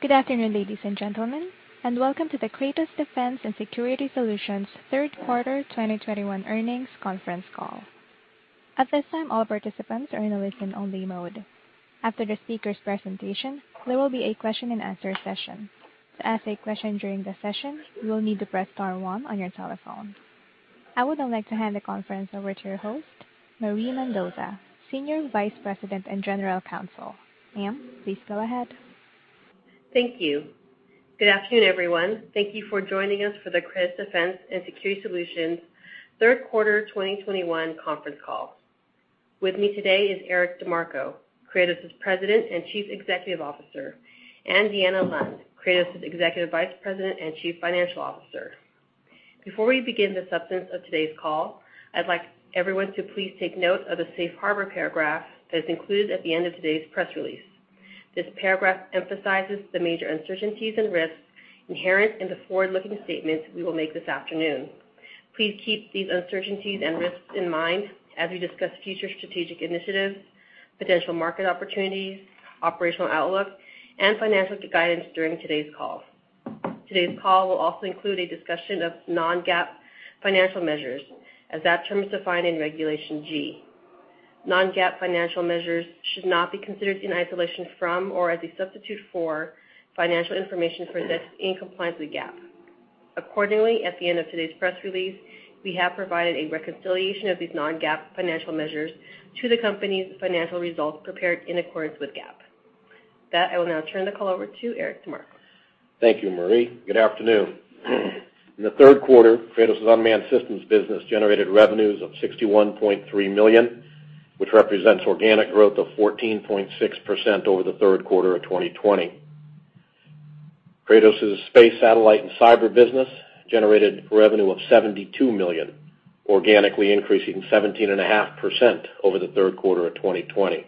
Good afternoon, ladies and gentlemen, and welcome to the Kratos Defense & Security Solutions third quarter 2021 earnings conference call. At this time, all participants are in a listen-only mode. After the speaker's presentation, there will be a question-and-answer session. To ask a question during the session, you will need to press star one on your telephone. I would now like to hand the conference over to your host, Marie Mendoza, Senior Vice President and General Counsel. Ma'am, please go ahead. Thank you. Good afternoon, everyone. Thank you for joining us for the Kratos Defense & Security Solutions third quarter 2021 conference call. With me today is Eric DeMarco, Kratos's President and Chief Executive Officer, and Deanna Lund, Kratos's Executive Vice President and Chief Financial Officer. Before we begin the substance of today's call, I'd like everyone to please take note of the safe harbor paragraph that is included at the end of today's press release. This paragraph emphasizes the major uncertainties and risks inherent in the forward-looking statements we will make this afternoon. Please keep these uncertainties and risks in mind as we discuss future strategic initiatives, potential market opportunities, operational outlook, and financial guidance during today's call. Today's call will also include a discussion of non-GAAP financial measures, as that term is defined in Regulation G. Non-GAAP financial measures should not be considered in isolation from or as a substitute for financial information presented in compliance with GAAP. Accordingly, at the end of today's press release, we have provided a reconciliation of these non-GAAP financial measures to the company's financial results prepared in accordance with GAAP. With that, I will now turn the call over to Eric DeMarco. Thank you, Marie. Good afternoon. In the third quarter, Kratos's unmanned systems business generated revenues of $61.3 million, which represents organic growth of 14.6% over the third quarter of 2020. Kratos's space, satellite, and cyber business generated revenue of $72 million, organically increasing 17.5% over the third quarter of 2020.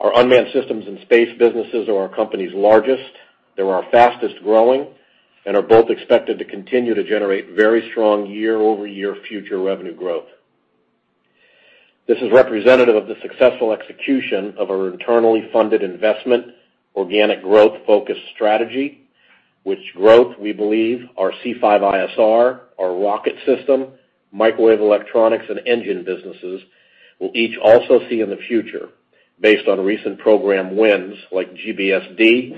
Our unmanned systems and space businesses are our company's largest, they're our fastest-growing, and are both expected to continue to generate very strong year-over-year future revenue growth. This is representative of the successful execution of our internally funded investment, organic growth-focused strategy, which growth we believe our C5ISR, our Rocket system, Microwave Electronics, and engine businesses will each also see in the future based on recent program wins like GBSD,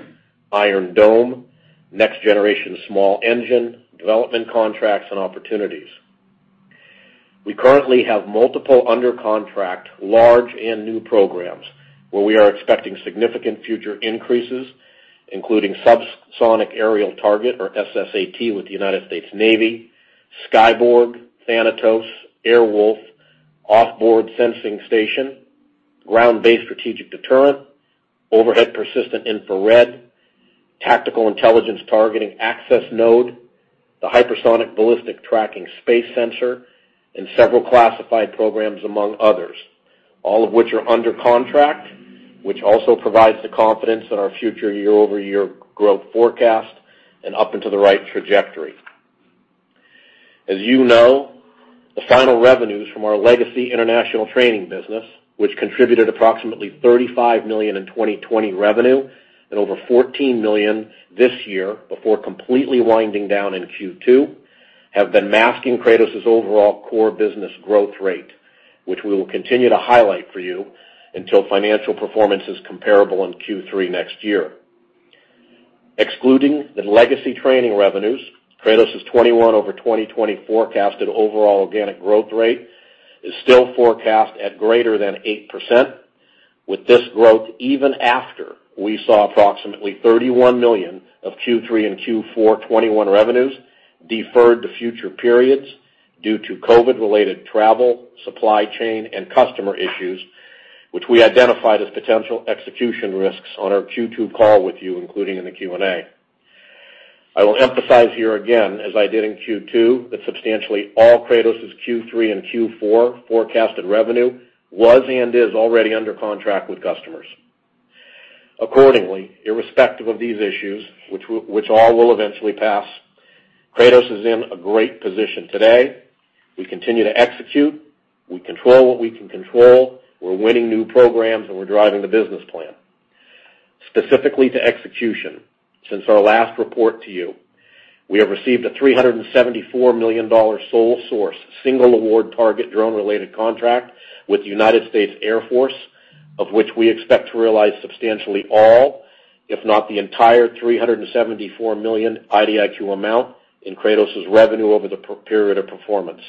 Iron Dome, next generation small engine, development contracts and opportunities. We currently have multiple under contract large and new programs where we are expecting significant future increases, including Sub-Sonic Aerial Target or SSAT with the United States Navy, Skyborg, Thanatos, Air Wolf, Off-Board Sensing Station, Ground Based Strategic Deterrent, Overhead Persistent Infrared, Tactical Intelligence Targeting Access Node, the Hypersonic and Ballistic Tracking Space Sensor, and several classified programs, among others, all of which are under contract, which also provides the confidence in our future year-over-year growth forecast and up into the right trajectory. As you know, the final revenues from our legacy international training business, which contributed approximately $35 million in 2020 revenue and over $14 million this year before completely winding down in Q2, have been masking Kratos's overall core business growth rate, which we will continue to highlight for you until financial performance is comparable in Q3 next year. Excluding the legacy training revenues, Kratos's 2021 over 2020 forecasted overall organic growth rate is still forecast at greater than 8%, with this growth even after we saw approximately $31 million of Q3 and Q4 2021 revenues deferred to future periods due to COVID-related travel, supply chain, and customer issues, which we identified as potential execution risks on our Q2 call with you, including in the Q&A. I will emphasize here again, as I did in Q2, that substantially all Kratos's Q3 and Q4 2021 forecasted revenue was and is already under contract with customers. Accordingly, irrespective of these issues, which all will eventually pass, Kratos is in a great position today. We continue to execute. We control what we can control. We're winning new programs, and we're driving the business plan. Specifically to execution, since our last report to you, we have received a $374 million sole source, single award target drone-related contract with the United States Air Force, of which we expect to realize substantially all, if not the entire $374 million IDIQ amount in Kratos's revenue over the period of performance.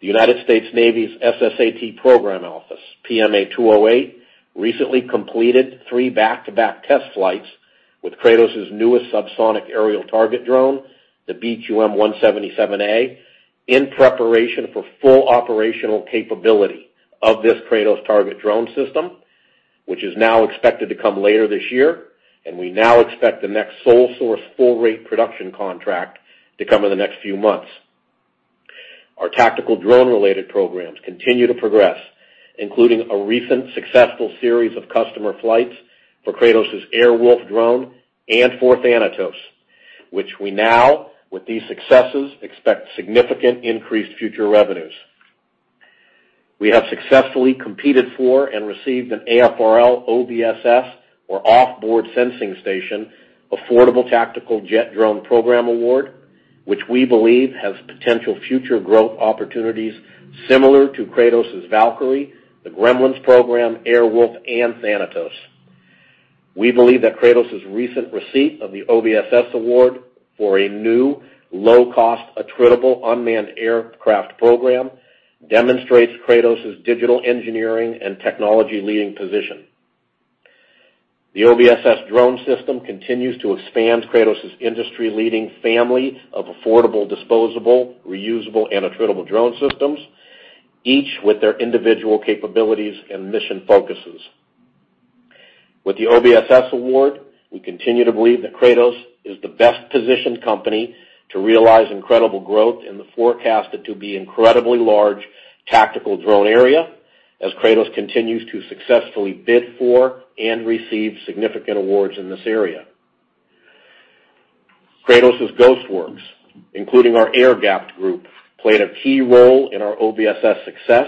The United States Navy's SSAT program office, PMA-208, recently completed three back-to-back test flights with Kratos's newest Sub-Sonic Aerial Target drone, the BQM-177A, in preparation for full operational capability of this Kratos target drone system, which is now expected to come later this year. We now expect the next sole source full rate production contract to come in the next few months. Our tactical drone-related programs continue to progress, including a recent successful series of customer flights for Kratos's Air Wolf drone and fourth Thanatos, which we now, with these successes, expect significant increased future revenues. We have successfully competed for and received an AFRL OBSS, or Off-Board Sensing Station, affordable tactical jet drone program award, which we believe has potential future growth opportunities similar to Kratos' Valkyrie, the Gremlins program, Air Wolf, and Thanatos. We believe that Kratos' recent receipt of the OBSS award for a new low-cost attritable unmanned aircraft program demonstrates Kratos' digital engineering and technology leading position. The OBSS drone system continues to expand Kratos' industry-leading family of affordable, disposable, reusable, and attritable drone systems, each with their individual capabilities and mission focuses. With the OBSS award, we continue to believe that Kratos is the best-positioned company to realize incredible growth in the forecasted to be incredibly large tactical drone area as Kratos continues to successfully bid for and receive significant awards in this area. Kratos' Ghost Works, including our air-gapped group, played a key role in our OBSS success,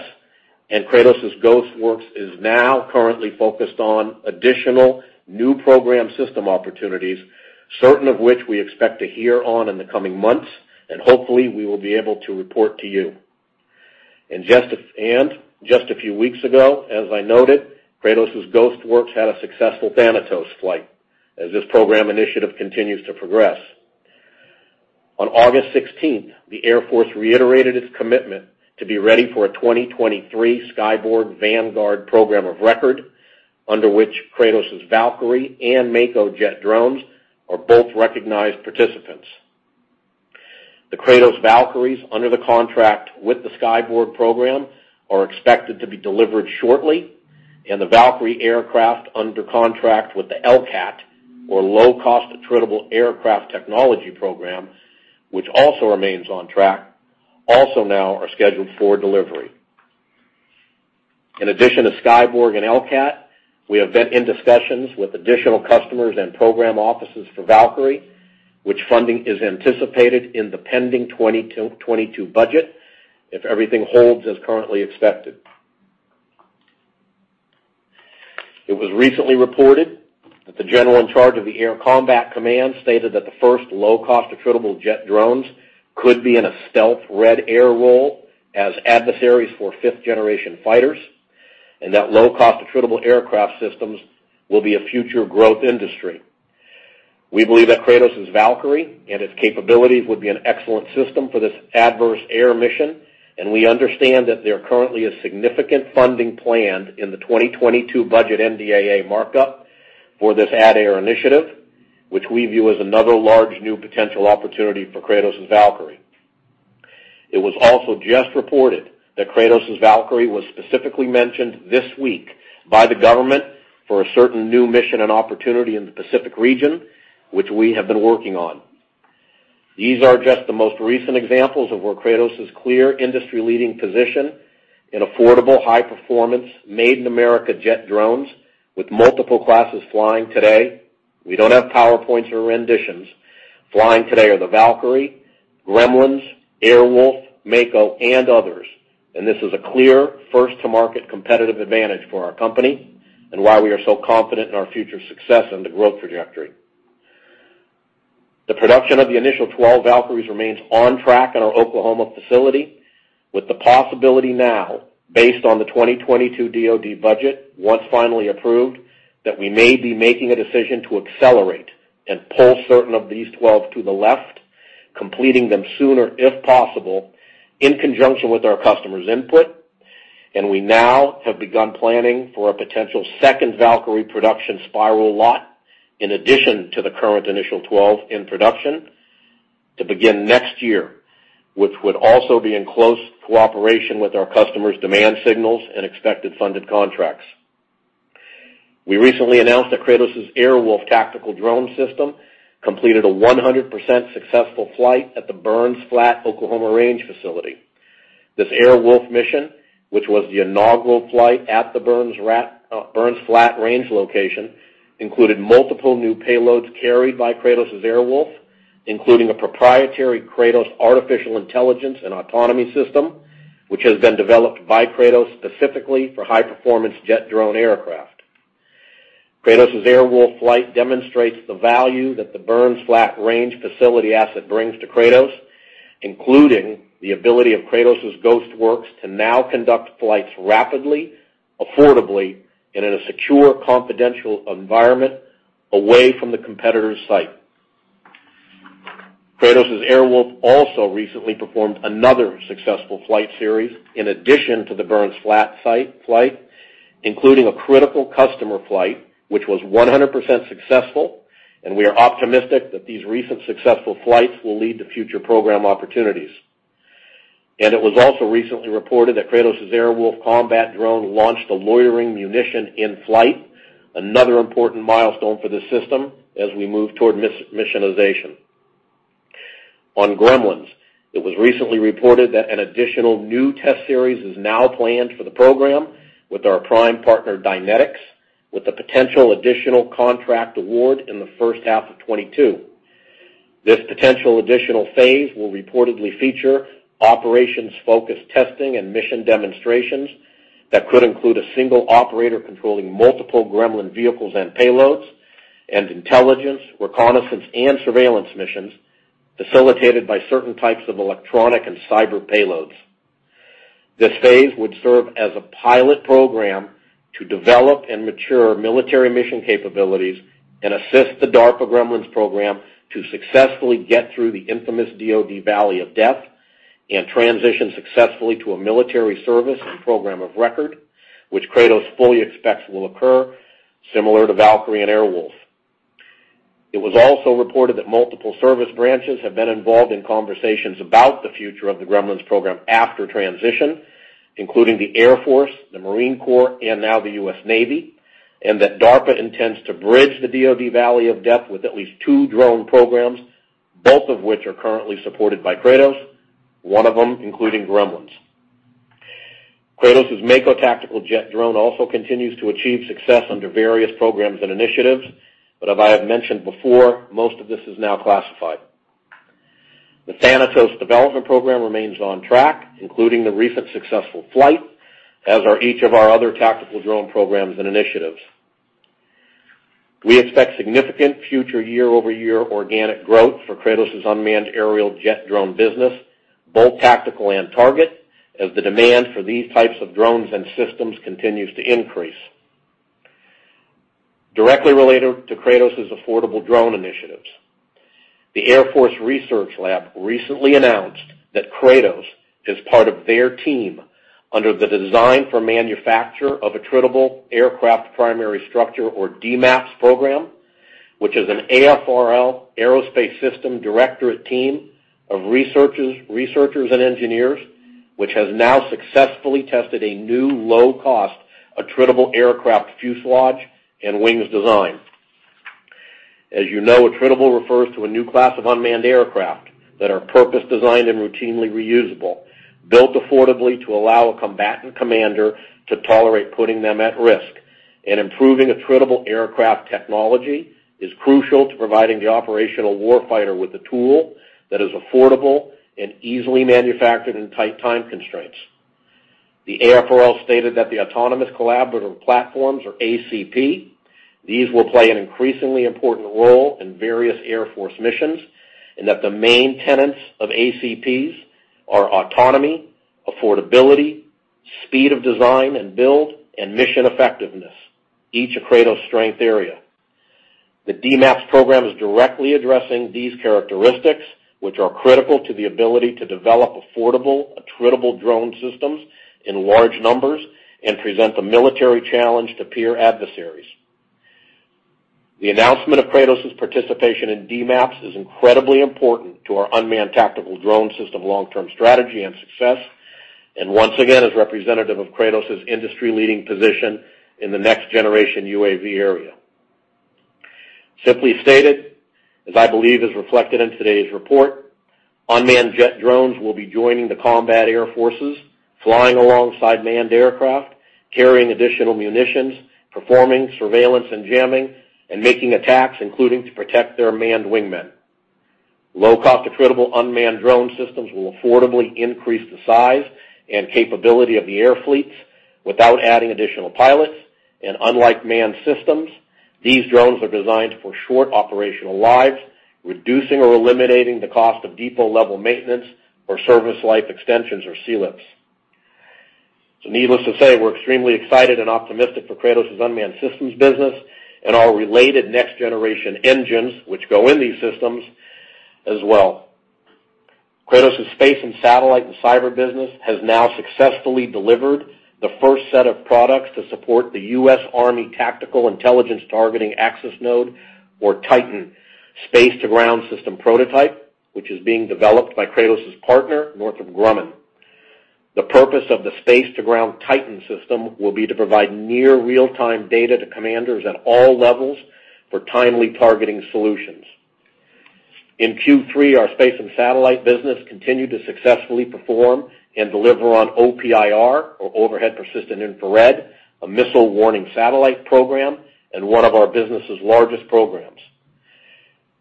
and Kratos' Ghost Works is now currently focused on additional new program system opportunities, certain of which we expect to hear on in the coming months, and hopefully, we will be able to report to you. Just a few weeks ago, as I noted, Kratos' Ghost Works had a successful Thanatos flight as this program initiative continues to progress. On August 16th, the Air Force reiterated its commitment to be ready for a 2023 Skyborg Vanguard program of record, under which Kratos' Valkyrie and Mako jet drones are both recognized participants. The Kratos Valkyries under the contract with the Skyborg program are expected to be delivered shortly, and the Valkyrie aircraft under contract with the LCAT, or Low Cost Attritable Aircraft Technology program, which also remains on track, also now are scheduled for delivery. In addition to Skyborg and LCAT, we have been in discussions with additional customers and program offices for Valkyrie, which funding is anticipated in the pending 2022 budget if everything holds as currently expected. It was recently reported that the general in charge of the Air Combat Command stated that the first low-cost attritable jet drones could be in a stealth red air role as adversaries for fifth-generation fighters, and that low-cost attritable aircraft systems will be a future growth industry. We believe that Kratos' Valkyrie and its capabilities would be an excellent system for this adversary air mission, and we understand that there is currently a significant funding plan in the 2022 budget NDAA markup for this ADAIR initiative, which we view as another large new potential opportunity for Kratos' Valkyrie. It was also just reported that Kratos' Valkyrie was specifically mentioned this week by the government for a certain new mission and opportunity in the Pacific region, which we have been working on. These are just the most recent examples of where Kratos' clear industry leading position in affordable, high-performance, made-in-America jet drones with multiple classes flying today. We don't have PowerPoints or renderings. Flying today are the Valkyrie, Gremlins, Air Wolf, Mako, and others, and this is a clear first to market competitive advantage for our company and why we are so confident in our future success and the growth trajectory. The production of the initial 12 Valkyries remains on track in our Oklahoma facility, with the possibility now based on the 2022 DoD budget, once finally approved, that we may be making a decision to accelerate and pull certain of these 12 to the left, completing them sooner, if possible, in conjunction with our customers' input. We now have begun planning for a potential second Valkyrie production spiral lot in addition to the current initial 12 in production to begin next year, which would also be in close cooperation with our customers' demand signals and expected funded contracts. We recently announced that Kratos' Air Wolf tactical drone system completed a 100% successful flight at the Burns Flat, Oklahoma range facility. This Air Wolf mission, which was the inaugural flight at the Burns Flat range location, included multiple new payloads carried by Kratos' Air Wolf, including a proprietary Kratos artificial intelligence and autonomy system, which has been developed by Kratos specifically for high-performance jet drone aircraft. Kratos' Air Wolf flight demonstrates the value that the Burns Flat range facility asset brings to Kratos, including the ability of Kratos' Ghost Works to now conduct flights rapidly, affordably, and in a secure, confidential environment away from the competitor's site. Kratos' Air Wolf also recently performed another successful flight series in addition to the Burns Flat site, including a critical customer flight, which was 100% successful, and we are optimistic that these recent successful flights will lead to future program opportunities. It was also recently reported that Kratos' Air Wolf combat drone launched a loitering munition in flight, another important milestone for the system as we move toward missionization. On Gremlins, it was recently reported that an additional new test series is now planned for the program with our prime partner, Dynetics, with a potential additional contract award in the first half of 2022. This potential additional phase will reportedly feature operations-focused testing and mission demonstrations that could include a single operator controlling multiple Gremlin vehicles and payloads and intelligence, reconnaissance, and surveillance missions facilitated by certain types of electronic and cyber payloads. This phase would serve as a pilot program to develop and mature military mission capabilities and assist the DARPA Gremlins program to successfully get through the infamous DoD Valley of Death and transition successfully to a military service and program of record, which Kratos fully expects will occur, similar to Valkyrie and Air Wolf. It was also reported that multiple service branches have been involved in conversations about the future of the Gremlins program after transition, including the Air Force, the Marine Corps, and now the U.S. Navy, and that DARPA intends to bridge the DoD Valley of Death with at least two drone programs, both of which are currently supported by Kratos, one of them including Gremlins. Kratos' Mako tactical jet drone also continues to achieve success under various programs and initiatives, but as I have mentioned before, most of this is now classified. The Thanatos development program remains on track, including the recent successful flight, as are each of our other tactical drone programs and initiatives. We expect significant future year-over-year organic growth for Kratos' unmanned aerial jet drone business, both tactical and target, as the demand for these types of drones and systems continues to increase. Directly related to Kratos' affordable drone initiatives, the Air Force Research Lab recently announced that Kratos is part of their team under the Design for Manufacture of Attritable Aircraft Primary Structure, or DMAPS program, which is an AFRL Aerospace Systems Directorate team of researchers and engineers, which has now successfully tested a new low-cost attritable aircraft fuselage and wings design. As you know, attritable refers to a new class of unmanned aircraft that are purpose-designed and routinely reusable, built affordably to allow a combatant commander to tolerate putting them at risk. Improving attritable aircraft technology is crucial to providing the operational warfighter with a tool that is affordable and easily manufactured in tight time constraints. The AFRL stated that the autonomous collaborative platforms, or ACP, these will play an increasingly important role in various Air Force missions, and that the main tenets of ACPs are autonomy, affordability, speed of design and build, and mission effectiveness, each a Kratos strength area. The DMAPS program is directly addressing these characteristics, which are critical to the ability to develop affordable, attritable drone systems in large numbers and present a military challenge to peer adversaries. The announcement of Kratos' participation in DMAPS is incredibly important to our unmanned tactical drone system long-term strategy and success, and once again is representative of Kratos' industry-leading position in the next-generation UAV area. Simply stated, as I believe is reflected in today's report, unmanned jet drones will be joining the combat air forces, flying alongside manned aircraft, carrying additional munitions, performing surveillance and jamming, and making attacks, including to protect their manned wingmen. Low-cost, attritable unmanned drone systems will affordably increase the size and capability of the air fleets without adding additional pilots, and unlike manned systems, these drones are designed for short operational lives, reducing or eliminating the cost of depot-level maintenance or service life extensions, or SLEPs. Needless to say, we're extremely excited and optimistic for Kratos' unmanned systems business and our related next-generation engines, which go in these systems, as well. Kratos' space and satellite and cyber business has now successfully delivered the first set of products to support the U.S. Army Tactical Intelligence Targeting Access Node, or TITAN, space-to-ground system prototype, which is being developed by Kratos' partner, Northrop Grumman. The purpose of the space-to-ground TITAN system will be to provide near-real-time data to commanders at all levels for timely targeting solutions. In Q3, our space and satellite business continued to successfully perform and deliver on OPIR, or Overhead Persistent Infrared, a missile warning satellite program and one of our business' largest programs.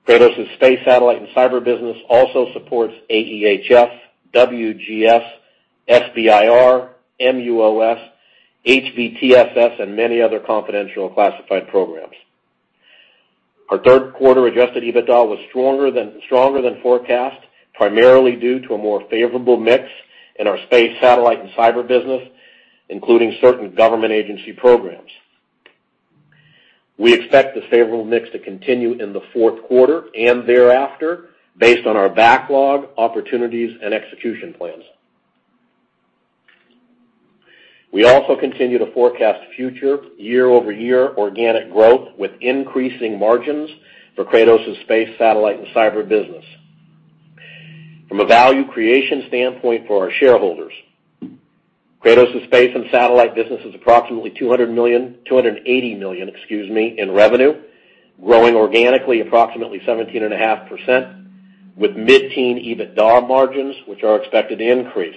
Kratos' space, satellite, and cyber business also supports AEHF, WGS, SBIRS, MUOS, HBTSS, and many other confidential classified programs. Our third quarter adjusted EBITDA was stronger than forecast, primarily due to a more favorable mix in our space, satellite, and cyber business, including certain government agency programs. We expect this favorable mix to continue in the fourth quarter and thereafter based on our backlog, opportunities, and execution plans. We also continue to forecast future year-over-year organic growth with increasing margins for Kratos' space, satellite, and cyber business. From a value creation standpoint for our shareholders, Kratos' Space and Satellite business is approximately $280 million, excuse me, in revenue, growing organically approximately 17.5% with mid-teen EBITDA margins, which are expected to increase.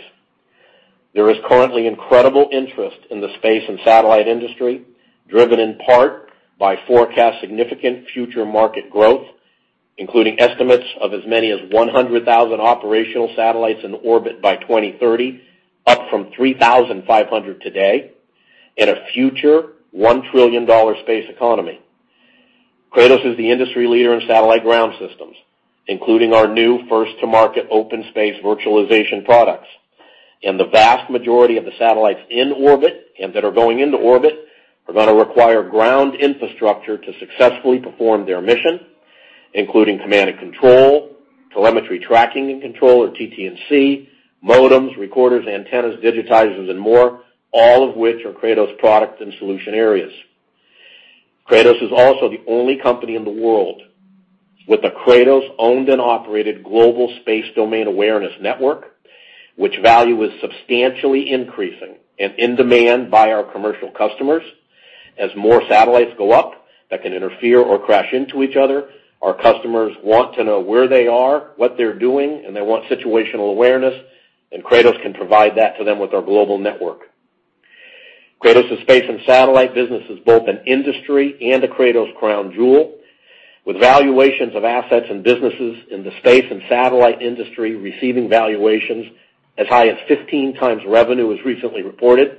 There is currently incredible interest in the Space and Satellite industry, driven in part by forecast significant future market growth, including estimates of as many as 100,000 operational satellites in orbit by 2030, up from 3,500 today, in a future $1 trillion space economy. Kratos is the industry leader in satellite ground systems, including our new first to market OpenSpace virtualization products. The vast majority of the satellites in orbit and that are going into orbit are gonna require ground infrastructure to successfully perform their mission, including command and control, telemetry tracking and control or TT&C, modems, recorders, antennas, digitizers and more, all of which are Kratos products and solution areas. Kratos is also the only company in the world with a Kratos owned and operated global Space Domain Awareness network, which value is substantially increasing and in demand by our commercial customers. As more satellites go up that can interfere or crash into each other, our customers want to know where they are, what they're doing, and they want situational awareness, and Kratos can provide that to them with our global network. Kratos' space and satellite business is both an industry and a Kratos crown jewel, with valuations of assets and businesses in the space and satellite industry receiving valuations as high as 15x revenue as recently reported.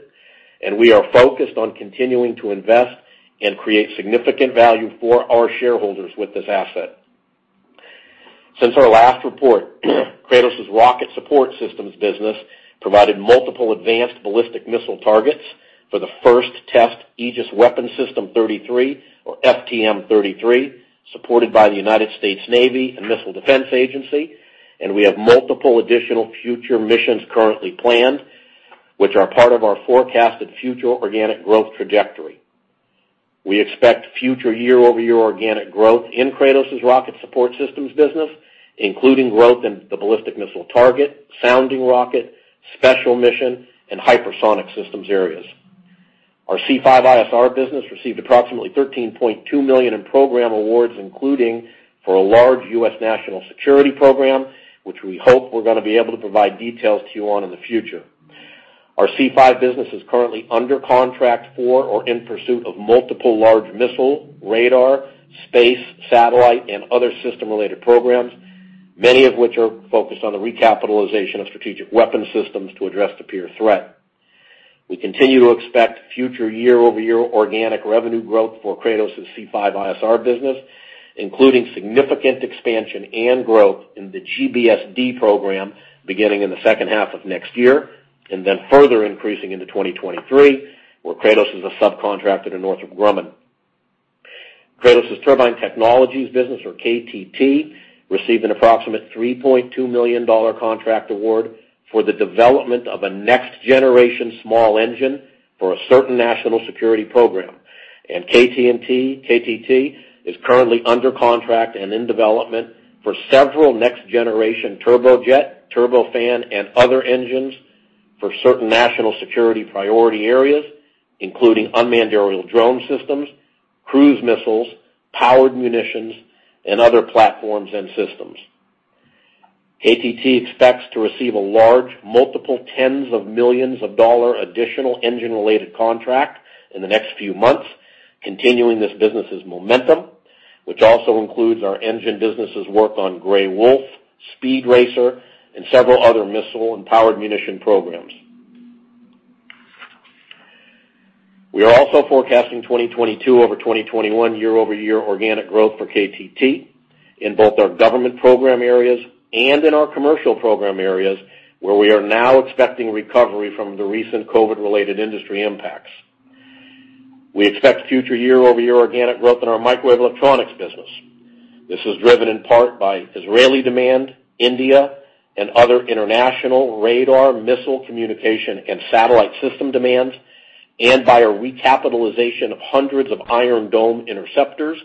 We are focused on continuing to invest and create significant value for our shareholders with this asset. Since our last report, Kratos' Rocket Systems Support business provided multiple advanced ballistic missile targets for the first test Aegis Weapon System FTM-33, supported by the United States Navy and Missile Defense Agency. We have multiple additional future missions currently planned, which are part of our forecasted future organic growth trajectory. We expect future year-over-year organic growth in Kratos' Rocket Systems Support business, including growth in the ballistic missile target, sounding rocket, special mission, and hypersonic systems areas. Our C5ISR business received approximately $13.2 million in program awards, including for a large U.S. National Security program, which we hope we're gonna be able to provide details to you on in the future. Our C5 business is currently under contract for or in pursuit of multiple large missile, radar, space, satellite, and other system-related programs, many of which are focused on the recapitalization of strategic weapon systems to address the peer threat. We continue to expect future year-over-year organic revenue growth for Kratos' C5ISR business, including significant expansion and growth in the GBSD program beginning in the second half of next year, and then further increasing into 2023, where Kratos is a subcontractor to Northrop Grumman. Kratos Turbine Technologies business, or KTT, received an approximate $3.2 million contract award for the development of a next generation small engine for a certain national security program. KTT is currently under contract and in development for several next generation turbojet, turbofan, and other engines for certain national security priority areas, including unmanned aerial drone systems, cruise missiles, powered munitions, and other platforms and systems. KTT expects to receive a large multiple tens of millions of dollars additional engine-related contract in the next few months, continuing this business's momentum, which also includes our engine business's work on Gray Wolf, Speed Racer, and several other missile and powered munition programs. We are also forecasting 2022 over 2021 year-over-year organic growth for KTT in both our government program areas and in our commercial program areas where we are now expecting recovery from the recent COVID-related industry impacts. We expect future year-over-year organic growth in our microwave electronics business. This is driven in part by Israeli demand, India, and other international radar, missile communication, and satellite system demands, and by a recapitalization of hundreds of Iron Dome interceptors,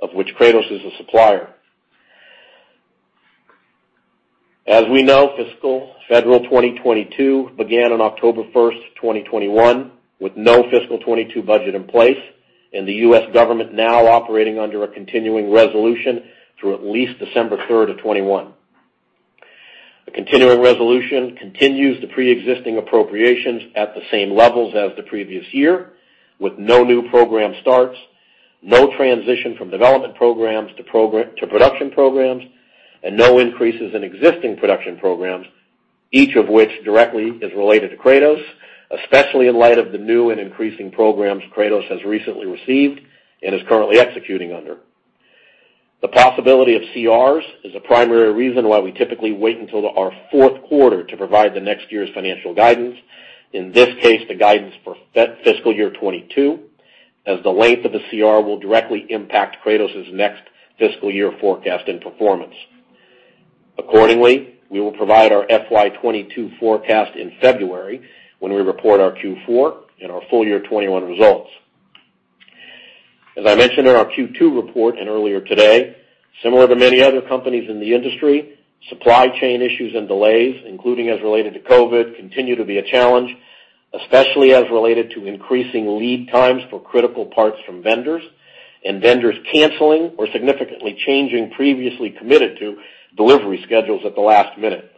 of which Kratos is a supplier. As we know, fiscal year 2022 began on October 1st, 2021, with no fiscal 2022 budget in place and the U.S. government now operating under a continuing resolution through at least December 3rd, 2021. A continuing resolution continues the preexisting appropriations at the same levels as the previous year with no new program starts, no transition from development programs to production programs, and no increases in existing production programs, each of which directly is related to Kratos, especially in light of the new and increasing programs Kratos has recently received and is currently executing under. The possibility of CRs is a primary reason why we typically wait until our fourth quarter to provide the next year's financial guidance. In this case, the guidance for fiscal year 2022, as the length of the CR will directly impact Kratos' next fiscal year forecast and performance. Accordingly, we will provide our FY 2022 forecast in February when we report our Q4 and our full year 2021 results. As I mentioned in our Q2 report and earlier today, similar to many other companies in the industry, supply chain issues and delays, including as related to COVID, continue to be a challenge. Especially as related to increasing lead times for critical parts from vendors and vendors canceling or significantly changing previously committed to delivery schedules at the last minute.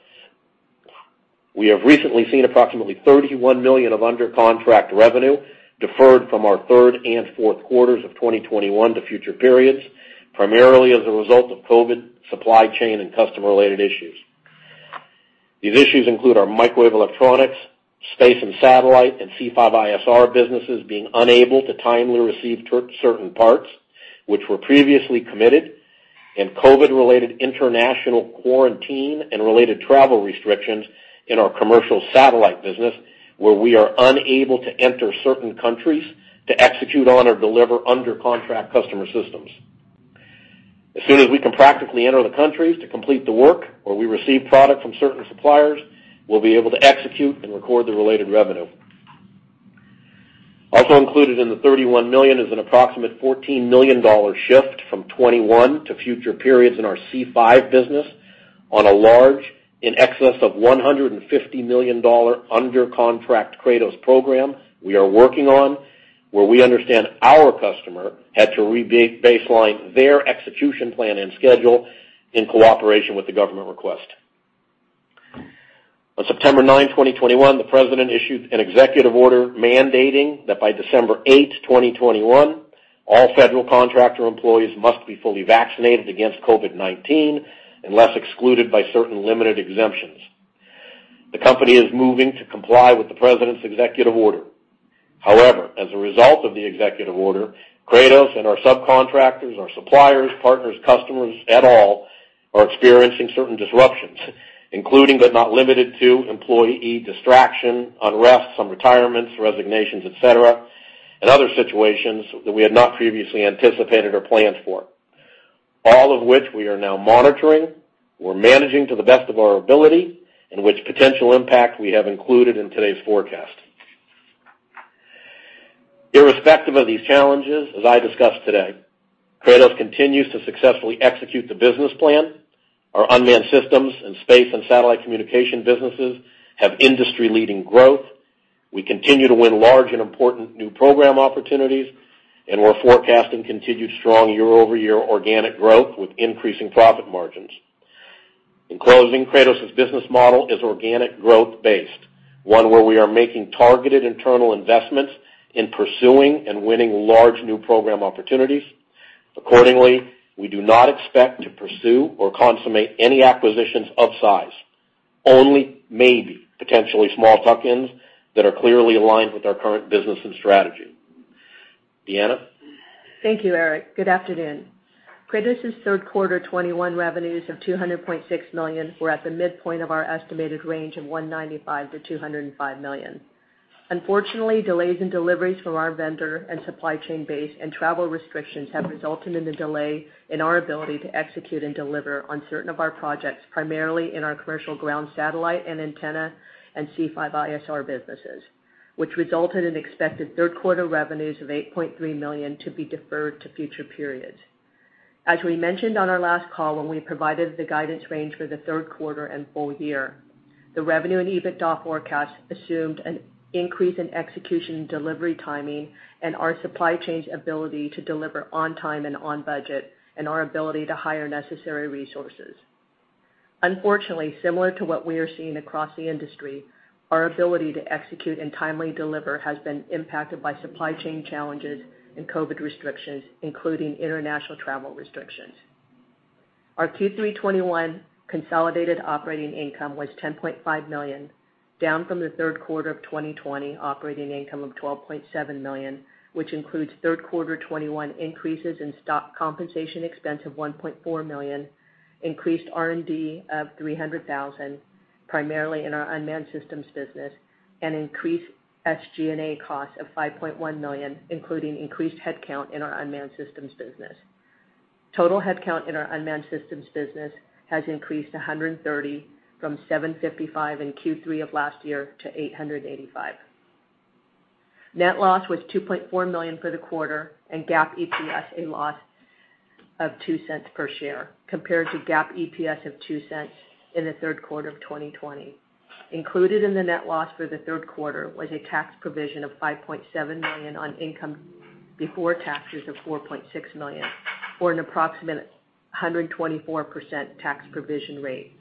We have recently seen approximately $31 million of under contract revenue deferred from our third and fourth quarters of 2021 to future periods, primarily as a result of COVID supply chain and customer related issues. These issues include our microwave electronics, space and satellite, and C5ISR businesses being unable to timely receive certain parts which were previously committed, and COVID related international quarantine and related travel restrictions in our commercial satellite business, where we are unable to enter certain countries to execute on or deliver under contract customer systems. As soon as we can practically enter the countries to complete the work or we receive product from certain suppliers, we'll be able to execute and record the related revenue. Also included in the $31 million is an approximate $14 million shift from 2021 to future periods in our C5 business on a large, in excess of $150 million under contract Kratos program we are working on, where we understand our customer had to re-baseline their execution plan and schedule in cooperation with the government request. On September 9th, 2021, the president issued an executive order mandating that by December 8th, 2021, all federal contractor employees must be fully vaccinated against COVID-19 unless excluded by certain limited exemptions. The company is moving to comply with the President's Executive Order. However, as a result of the Executive Order, Kratos and our subcontractors, our suppliers, partners, customers, et al, are experiencing certain disruptions, including but not limited to employee distraction, unrest, some retirements, resignations, et cetera, and other situations that we had not previously anticipated or planned for. All of which we are now monitoring, we're managing to the best of our ability, and which potential impact we have included in today's forecast. Irrespective of these challenges, as I discussed today, Kratos continues to successfully execute the business plan. Our Unmanned Systems and Space and Satellite Communication businesses have industry-leading growth. We continue to win large and important new program opportunities, and we're forecasting continued strong year-over-year organic growth with increasing profit margins. In closing, Kratos's business model is organic growth based, one where we are making targeted internal investments in pursuing and winning large new program opportunities. Accordingly, we do not expect to pursue or consummate any acquisitions of size, only maybe potentially small tuck-ins that are clearly aligned with our current business and strategy. Deanna? Thank you, Eric. Good afternoon. Kratos's third quarter 2021 revenues of $200.6 million were at the midpoint of our estimated range of $195 million-$205 million. Unfortunately, delays in deliveries from our vendor and supply chain base and travel restrictions have resulted in a delay in our ability to execute and deliver on certain of our projects, primarily in our commercial ground satellite and antenna and C5ISR businesses, which resulted in expected third quarter revenues of $8.3 million to be deferred to future periods. As we mentioned on our last call when we provided the guidance range for the third quarter and full year, the revenue and EBITDA forecast assumed an increase in execution and delivery timing and our supply chain's ability to deliver on time and on budget, and our ability to hire necessary resources. Unfortunately, similar to what we are seeing across the industry, our ability to execute and timely deliver has been impacted by supply chain challenges and COVID restrictions, including international travel restrictions. Our Q3 2021 consolidated operating income was $10.5 million, down from the third quarter of 2020 operating income of $12.7 million, which includes third quarter 2021 increases in stock compensation expense of $1.4 million, increased R&D of $300,000, primarily in our unmanned systems business, and increased SG&A costs of $5.1 million, including increased headcount in our Unmanned Systems business. Total headcount in our Unmanned Systems business has increased to 830 from 755 in Q3 of last year to 885. Net loss was $2.4 million for the quarter, and GAAP EPS was a loss of $0.02 per share, compared to GAAP EPS of $0.02 in the third quarter of 2020. Included in the net loss for the third quarter was a tax provision of $5.7 million on income before taxes of $4.6 million, for an approximate 124% tax provision rate,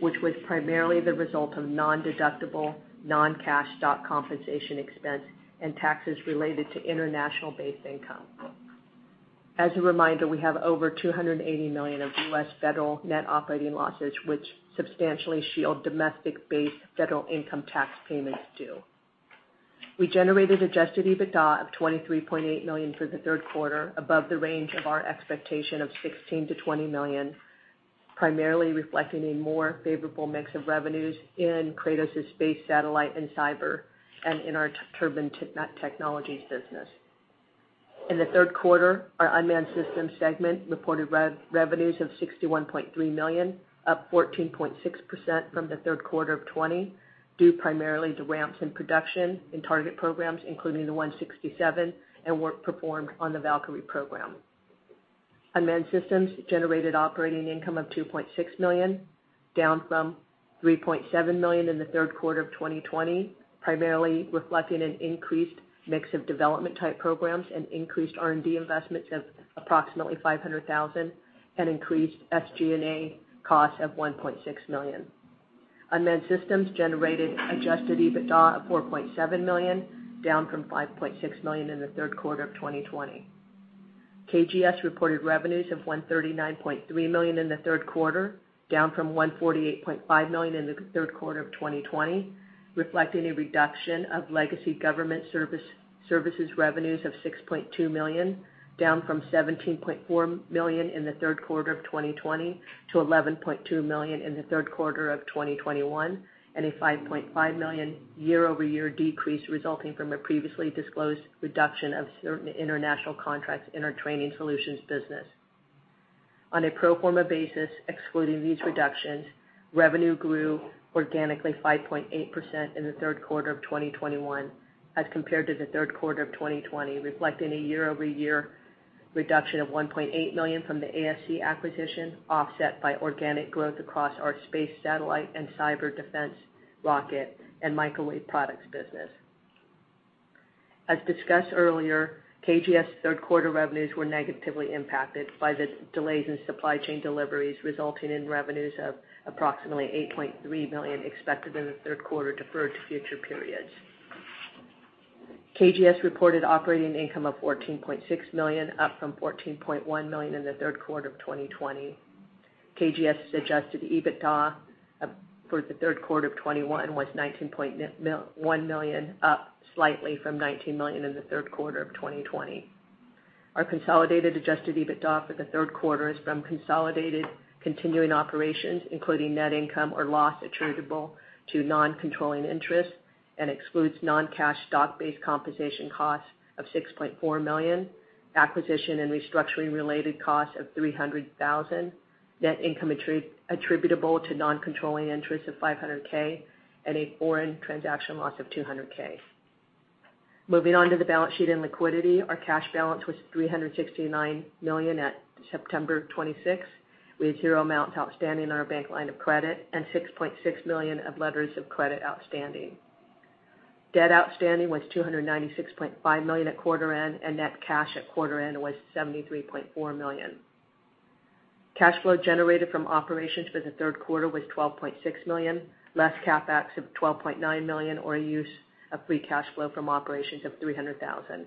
which was primarily the result of nondeductible non-cash stock compensation expense and taxes related to international-based income. As a reminder, we have over $280 million of U.S. federal net operating losses, which substantially shield domestic-based federal income tax payments due. We generated adjusted EBITDA of $23.8 million for the third quarter, above the range of our expectation of $16 million-$20 million, primarily reflecting a more favorable mix of revenues in Kratos's space satellite and cyber and in our turbine technologies business. In the third quarter, our Unmanned Systems segment reported revenues of $61.3 million, up 14.6% from the third quarter of 2020 due primarily to ramps in production in target programs, including the 167, and work performed on the Valkyrie program. Unmanned Systems generated operating income of $2.6 million, down from $3.7 million in the third quarter of 2020, primarily reflecting an increased mix of development type programs and increased R&D investments of approximately $500,000 and increased SG&A costs of $1.6 million. Unmanned Systems generated adjusted EBITDA of $4.7 million, down from $5.6 million in the third quarter of 2020. KGS reported revenues of $139.3 million in the third quarter, down from $148.5 million in the third quarter of 2020, reflecting a reduction of legacy government services revenues of $6.2 million, down from $17.4 million in the third quarter of 2020 to $11.2 million in the third quarter of 2021, and a $5.5 million year-over-year decrease resulting from a previously disclosed reduction of certain international contracts in our training solutions business. On a pro forma basis, excluding these reductions, revenue grew organically 5.8% in the third quarter of 2021 as compared to the third quarter of 2020, reflecting a year-over-year reduction of $1.8 million from the ASC acquisition, offset by organic growth across our space satellite and cyber defense rocket and microwave products business. As discussed earlier, KGS third quarter revenues were negatively impacted by the delays in supply chain deliveries, resulting in revenues of approximately $8.3 million expected in the third quarter deferred to future periods. KGS reported operating income of $14.6 million, up from $14.1 million in the third quarter of 2020. KGS's adjusted EBITDA for the third quarter of 2021 was $19.1 million, up slightly from $19 million in the third quarter of 2020. Our consolidated adjusted EBITDA for the third quarter is from consolidated continuing operations, including net income or loss attributable to non-controlling interest and excludes non-cash stock-based compensation costs of $6.4 million, acquisition and restructuring related costs of $300,000, net income attributable to non-controlling interests of $500K, and a foreign transaction loss of $200K. Moving on to the balance sheet and liquidity. Our cash balance was $369 million at September 26. We had zero amounts outstanding in our bank line of credit and $6.6 million of letters of credit outstanding. Debt outstanding was $296.5 million at quarter end, and net cash at quarter end was $73.4 million. Cash flow generated from operations for the third quarter was $12.6 million, less CapEx of $12.9 million, or a use of free cash flow from operations of $300,000.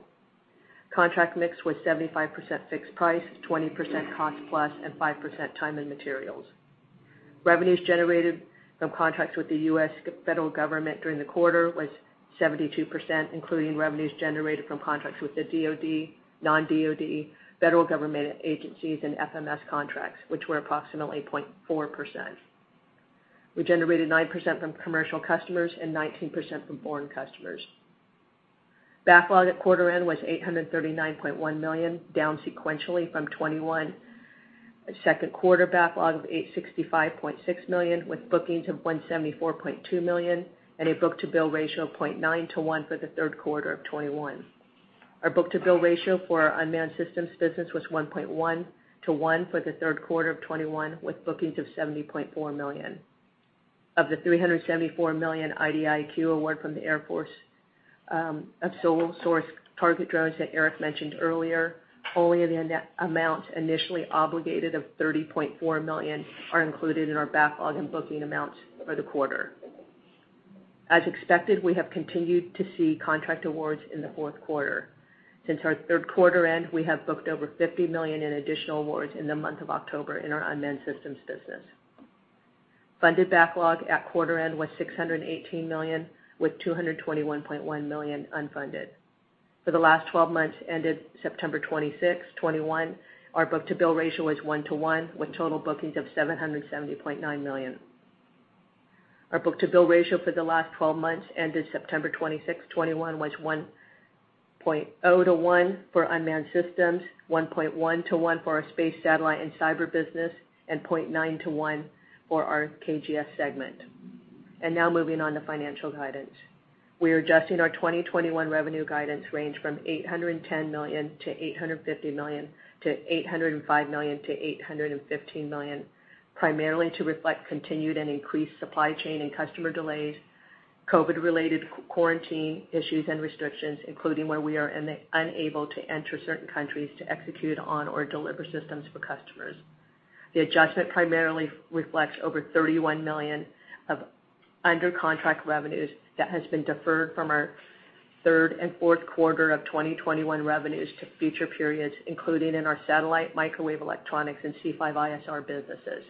Contract mix was 75% fixed price, 20% cost plus, and 5% time and materials. Revenues generated from contracts with the U.S. federal government during the quarter was 72%, including revenues generated from contracts with the DoD, non-DoD federal government agencies, and FMS contracts, which were approximately 0.4%. We generated 9% from commercial customers and 19% from foreign customers. Backlog at quarter end was $839.1 million down sequentially from 2Q 2021. Second quarter backlog of $865.6 million, with bookings of $174.2 million and a book-to-bill ratio of 0.9 to 1 for the third quarter of 2021. Our book-to-bill ratio for our unmanned systems business was 1.1-to-1 for the third quarter of 2021, with bookings of $70.4 million. Of the $374 million IDIQ award from the Air Force, of sole source target drones that Eric mentioned earlier, only the amount initially obligated of $30.4 million are included in our backlog and booking amounts for the quarter. As expected, we have continued to see contract awards in the fourth quarter. Since our third quarter end, we have booked over $50 million in additional awards in the month of October in our unmanned systems business. Funded backlog at quarter end was $618 million, with $221.1 million unfunded. For the last 12 months ended September 26, 2021, our book-to-bill ratio was 1:1, with total bookings of $770.9 million. Our book-to-bill ratio for the last 12 months ended September 26, 2021, was 1.0 to 1 for Unmanned Systems, 1.1 to 1 for our Space Satellite and Cyber business, and 0.9 to 1 for our KGS segment. Now moving on to financial guidance. We are adjusting our 2021 revenue guidance range from $810 million-$850 million to $805 million-$815 million, primarily to reflect continued and increased supply chain and customer delays, COVID-related quarantine issues and restrictions, including where we are unable to enter certain countries to execute on or deliver systems for customers. The adjustment primarily reflects over $31 million of under contract revenues that has been deferred from our third and fourth quarter of 2021 revenues to future periods, including in our Satellite, Microwave, Electronics, and C5ISR businesses.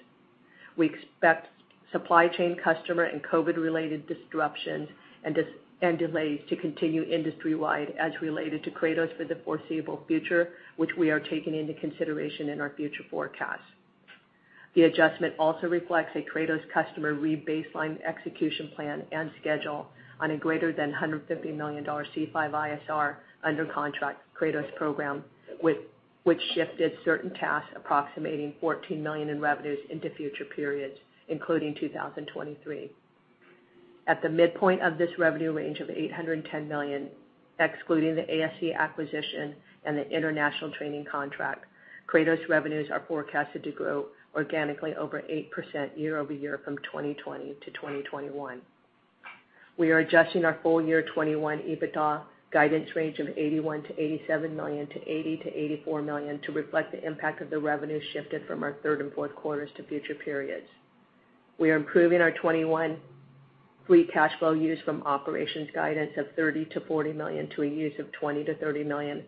We expect supply chain customer and COVID-related disruptions and delays to continue industry-wide as related to Kratos for the foreseeable future, which we are taking into consideration in our future forecasts. The adjustment also reflects a Kratos customer rebaselined execution plan and schedule on a greater than $150 million C5ISR under contract Kratos program, which shifted certain tasks approximating $14 million in revenues into future periods, including 2023. At the midpoint of this revenue range of $810 million, excluding the ASC acquisition and the international training contract, Kratos revenues are forecasted to grow organically over 8% year-over-year from 2020 to 2021. We are adjusting our full year 2021 EBITDA guidance range of $81 million-$87 million to $80 million-$84 million to reflect the impact of the revenue shifted from our third and fourth quarters to future periods. We are improving our 2021 free cash flow use from operations guidance of $30 million-$40 million to a use of $20 million-$30 million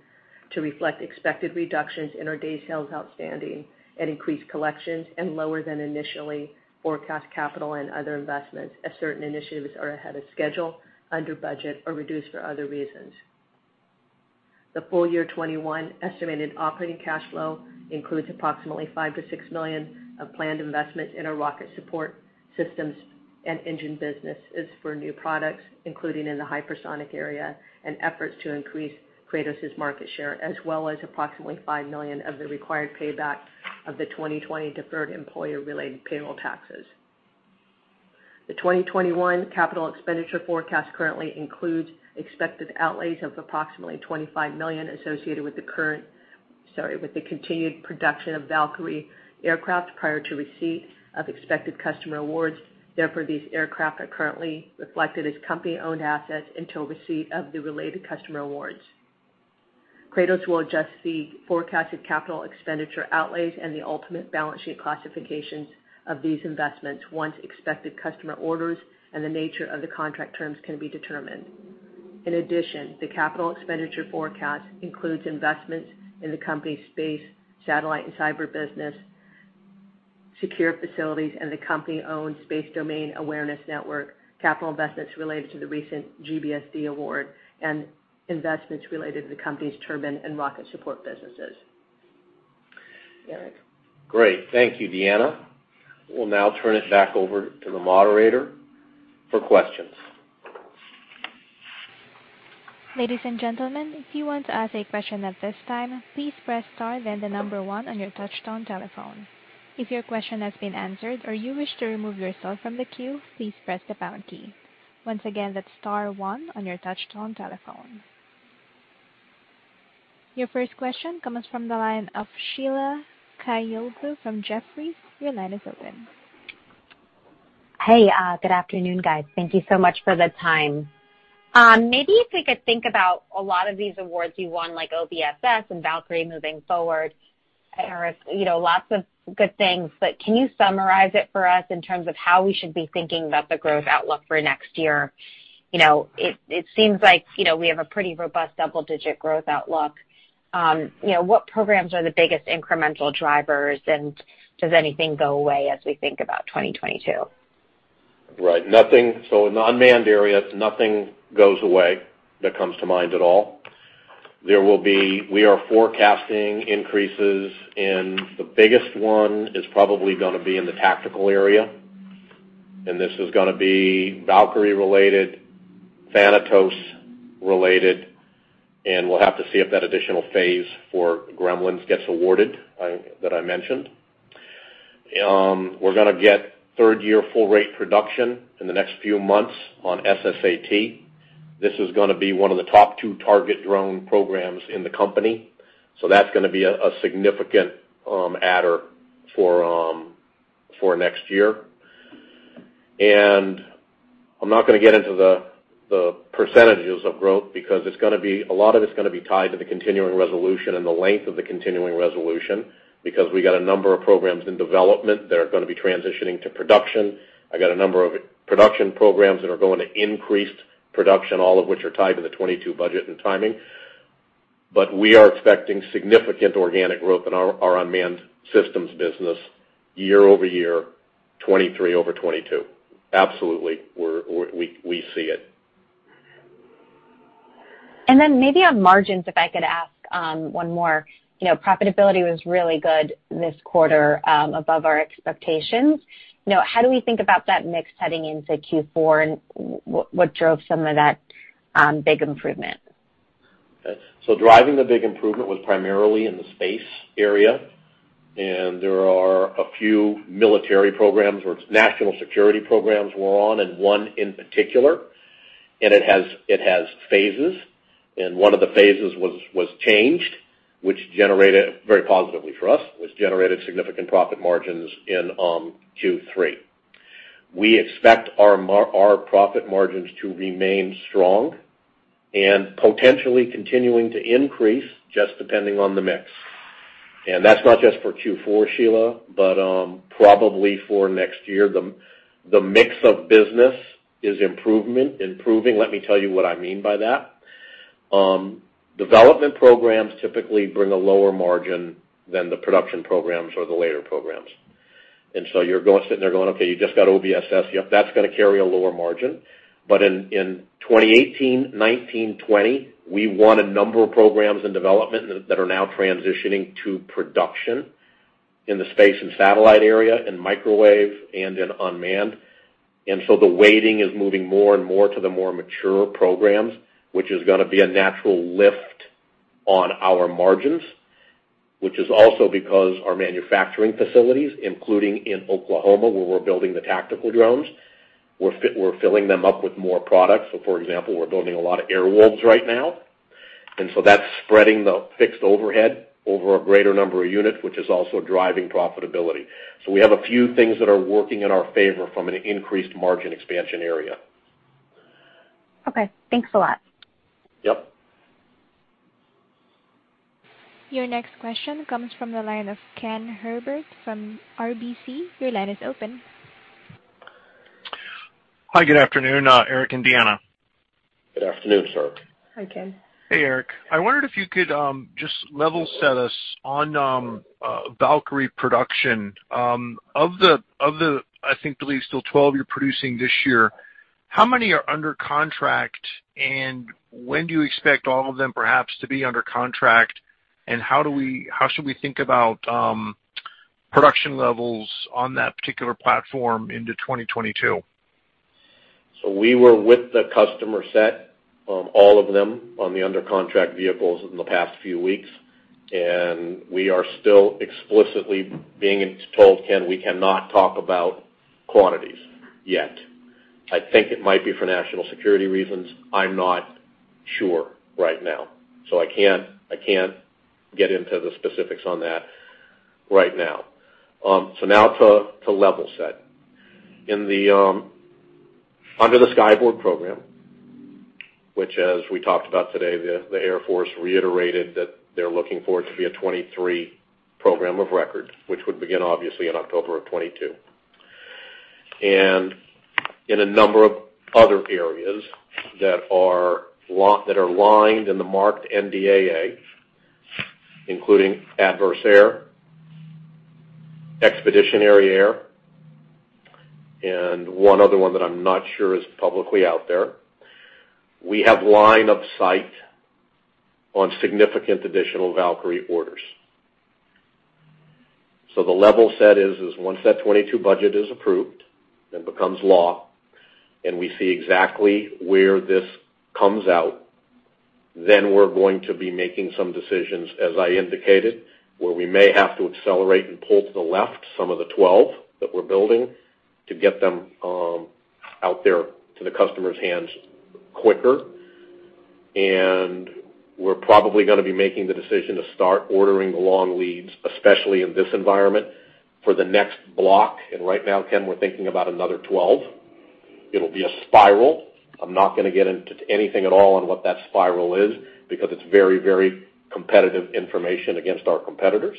to reflect expected reductions in our day sales outstanding and increased collections, and lower than initially forecast capital and other investments as certain initiatives are ahead of schedule, under budget or reduced for other reasons. The full year 2021 estimated operating cash flow includes approximately $5 million-$6 million of planned investments in our rocket support systems and engine businesses for new products, including in the hypersonic area and efforts to increase Kratos's market share, as well as approximately $5 million of the required payback of the 2020 deferred employer-related payroll taxes. The 2021 capital expenditure forecast currently includes expected outlays of approximately $25 million associated with the continued production of Valkyrie aircraft prior to receipt of expected customer awards. Therefore, these aircraft are currently reflected as company-owned assets until receipt of the related customer awards. Kratos will adjust the forecasted capital expenditure outlays and the ultimate balance sheet classifications of these investments once expected customer orders and the nature of the contract terms can be determined. In addition, the capital expenditure forecast includes investments in the company's Space, Satellite and Cyber business, secure facilities, and the company owns Space Domain Awareness network, capital investments related to the recent GBSD award, and investments related to the company's turbine and rocket support businesses. Eric. Great. Thank you, Deanna. We'll now turn it back over to the moderator for questions. Ladies and gentlemen, if you want to ask a question at this time, please press star then the number one on your touchtone telephone. If your question has been answered or you wish to remove yourself from the queue, please press the pound key. Once again, that's star one on your touchtone telephone. Your first question comes from the line of Sheila Kahyaoglu from Jefferies. Your line is open. Hey, good afternoon, guys. Thank you so much for the time. Maybe if we could think about a lot of these awards you won, like OBSS and Valkyrie moving forward. Eric, you know, lots of good things, but can you summarize it for us in terms of how we should be thinking about the growth outlook for next year? You know, it seems like, you know, we have a pretty robust double-digit growth outlook. You know, what programs are the biggest incremental drivers, and does anything go away as we think about 2022? Right. Nothing. In unmanned areas, nothing goes away that comes to mind at all. We are forecasting increases, and the biggest one is probably gonna be in the tactical area. This is gonna be Valkyrie related, Thanatos related, and we'll have to see if that additional phase for Gremlins gets awarded, that I mentioned. We're gonna get third-year full rate production in the next few months on SSAT. This is gonna be one of the top two target drone programs in the company. That's gonna be a significant adder for next year. I'm not gonna get into the percentages of growth because it's gonna be a lot of it's gonna be tied to the continuing resolution and the length of the continuing resolution because we got a number of programs in development that are gonna be transitioning to production. I got a number of production programs that are going to increased production, all of which are tied to the 2022 budget and timing. We are expecting significant organic growth in our unmanned systems business year-over-year, 2023 over 2022. Absolutely, we see it. Maybe on margins, if I could ask, one more. You know, profitability was really good this quarter, above our expectations. You know, how do we think about that mix heading into Q4 and what drove some of that big improvement? Driving the big improvement was primarily in the space area. There are a few military programs or national security programs we're on, and one in particular. It has phases. One of the phases was changed, which generated very positively for us. Which generated significant profit margins in Q3. We expect our profit margins to remain strong and potentially continuing to increase just depending on the mix. That's not just for Q4, Sheila, but probably for next year. The mix of business is improving. Let me tell you what I mean by that. Development programs typically bring a lower margin than the production programs or the later programs. You're going, sitting there going, "Okay, you just got OBSS. Yep, that's gonna carry a lower margin. In 2018, 2019, 2020, we won a number of programs in development that are now transitioning to production in the space and satellite area, in microwave and in unmanned. The weighting is moving more and more to the more mature programs, which is gonna be a natural lift on our margins. Which is also because our manufacturing facilities, including in Oklahoma, where we're building the tactical drones, we're filling them up with more products. For example, we're building a lot of Air Wolf right now, and that's spreading the fixed overhead over a greater number of units, which is also driving profitability. We have a few things that are working in our favor from an increased margin expansion area. Okay. Thanks a lot. Yep. Your next question comes from the line of Ken Herbert from RBC. Your line is open. Hi, good afternoon, Eric and Deanna. Good afternoon, sir. Hi, Ken. Hey, Eric. I wondered if you could just level set us on Valkyrie production. Of the, I believe it's still 12 you're producing this year, how many are under contract, and when do you expect all of them perhaps to be under contract? How should we think about production levels on that particular platform into 2022? We were with the customer set, all of them on the under contract vehicles in the past few weeks. We are still explicitly being told, Ken, we cannot talk about quantities yet. I think it might be for national security reasons. I'm not sure right now. I can't get into the specifics on that right now. Now to level set. Under the Skyborg program, which as we talked about today, the Air Force reiterated that they're looking for it to be a 2023 program of record, which would begin obviously in October of 2022. In a number of other areas that are lined in the marked NDAA, including adversary air, expeditionary air, and one other one that I'm not sure is publicly out there. We have line of sight on significant additional Valkyrie orders. The level set is once that FY 2022 budget is approved and becomes law, and we see exactly where this comes out, then we're going to be making some decisions, as I indicated, where we may have to accelerate and pull to the left some of the 12 that we're building to get them out there to the customer's hands quicker. We're probably gonna be making the decision to start ordering the long leads, especially in this environment for the next block. Right now, Ken, we're thinking about another 12. It'll be a spiral. I'm not gonna get into anything at all on what that spiral is because it's very, very competitive information against our competitors.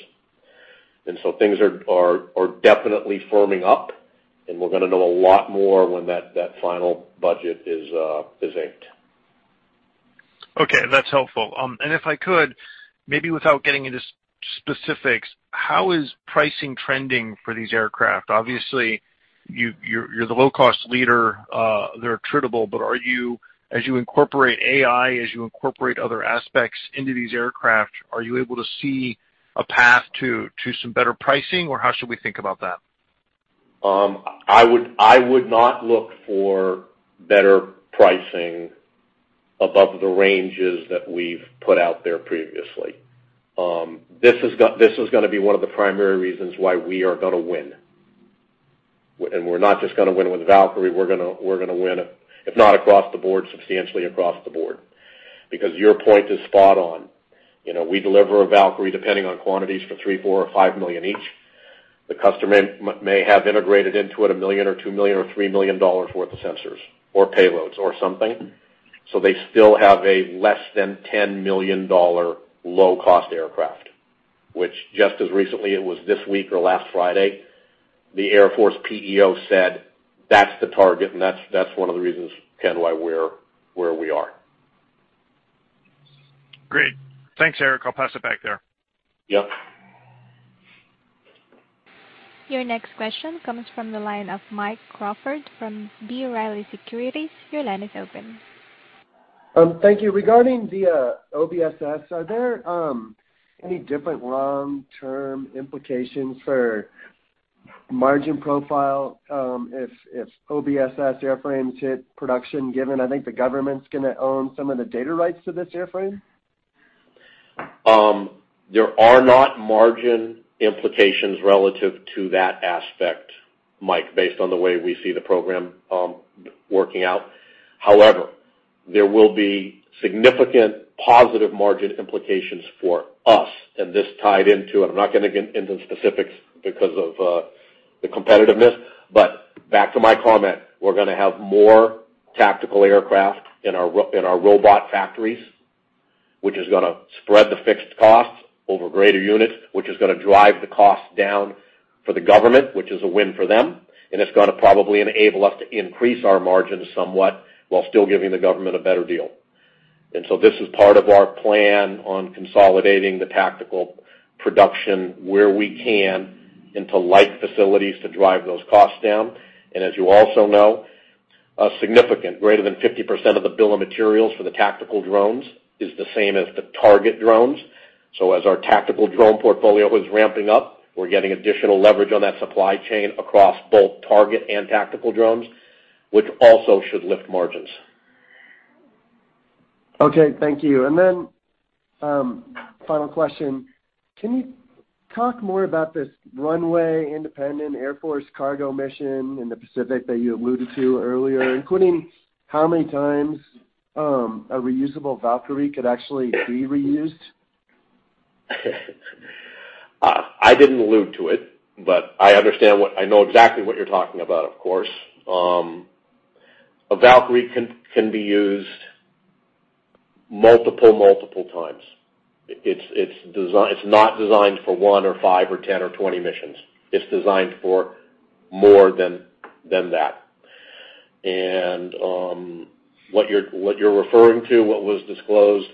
Things are definitely firming up, and we're gonna know a lot more when that final budget is inked. Okay. That's helpful. If I could, maybe without getting into specifics, how is pricing trending for these aircraft? Obviously, you're the low-cost leader. They're attritable. But as you incorporate AI, as you incorporate other aspects into these aircraft, are you able to see a path to some better pricing, or how should we think about that? I would not look for better pricing above the ranges that we've put out there previously. This is gonna be one of the primary reasons why we are gonna win. We're not just gonna win with Valkyrie, we're gonna win, if not across the board, substantially across the board. Because your point is spot on. You know, we deliver a Valkyrie, depending on quantities for $3 million, $4 million, or $5 million each. The customer may have integrated into it $1 million, $2 million, or $3 million worth of sensors or payloads or something. So they still have a less than $10 million low-cost aircraft, which just as recently it was this week or last Friday, the Air Force PEO said that's the target, and that's one of the reasons, Ken, why we're where we are. Great. Tha1nks, Eric. I'll pass it back there. Yep. Your next question comes from the line of Mike Crawford from B. Riley Securities. Your line is open. Thank you. Regarding the OBSS, are there any different long-term implications for margin profile, if OBSS airframes hit production, given I think the government's gonna own some of the data rights to this airframe? There are not margin implications relative to that aspect, Mike, based on the way we see the program working out. However, there will be significant positive margin implications for us, and this tied into, and I'm not gonna get into specifics because of the competitiveness. Back to my comment, we're gonna have more tactical aircraft in our robot factories, which is gonna spread the fixed costs over greater units, which is gonna drive the cost down for the government, which is a win for them. It's gonna probably enable us to increase our margins somewhat while still giving the government a better deal. This is part of our plan on consolidating the tactical production where we can into light facilities to drive those costs down. As you also know, a significant greater than 50% of the bill of materials for the tactical drones is the same as the target drones. As our tactical drone portfolio is ramping up, we're getting additional leverage on that supply chain across both target and tactical drones, which also should lift margins. Okay. Thank you. Final question. Can you talk more about this runway independent Air Force cargo mission in the Pacific that you alluded to earlier, including how many times a reusable Valkyrie could actually be reused? I didn't allude to it, but I understand. I know exactly what you're talking about, of course. A Valkyrie can be used multiple times. It's not designed for one or five or 10 or 20 missions. It's designed for more than that. What you're referring to, what was disclosed,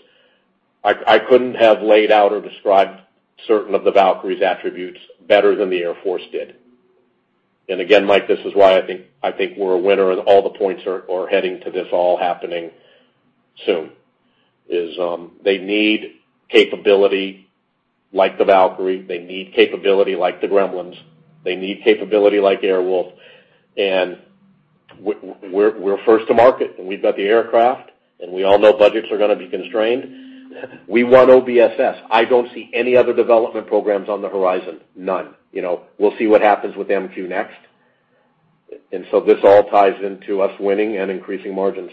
I couldn't have laid out or described certain of the Valkyrie's attributes better than the Air Force did. Again, Mike, this is why I think we're a winner and all the points are heading to this all happening soon. They need capability like the Valkyrie. They need capability like the Gremlins. They need capability like Air Wolf. We're first to market, and we've got the aircraft, and we all know budgets are gonna be constrained. We won OBSS. I don't see any other development programs on the horizon. None. You know, we'll see what happens with MQ-Next. This all ties into us winning and increasing margins.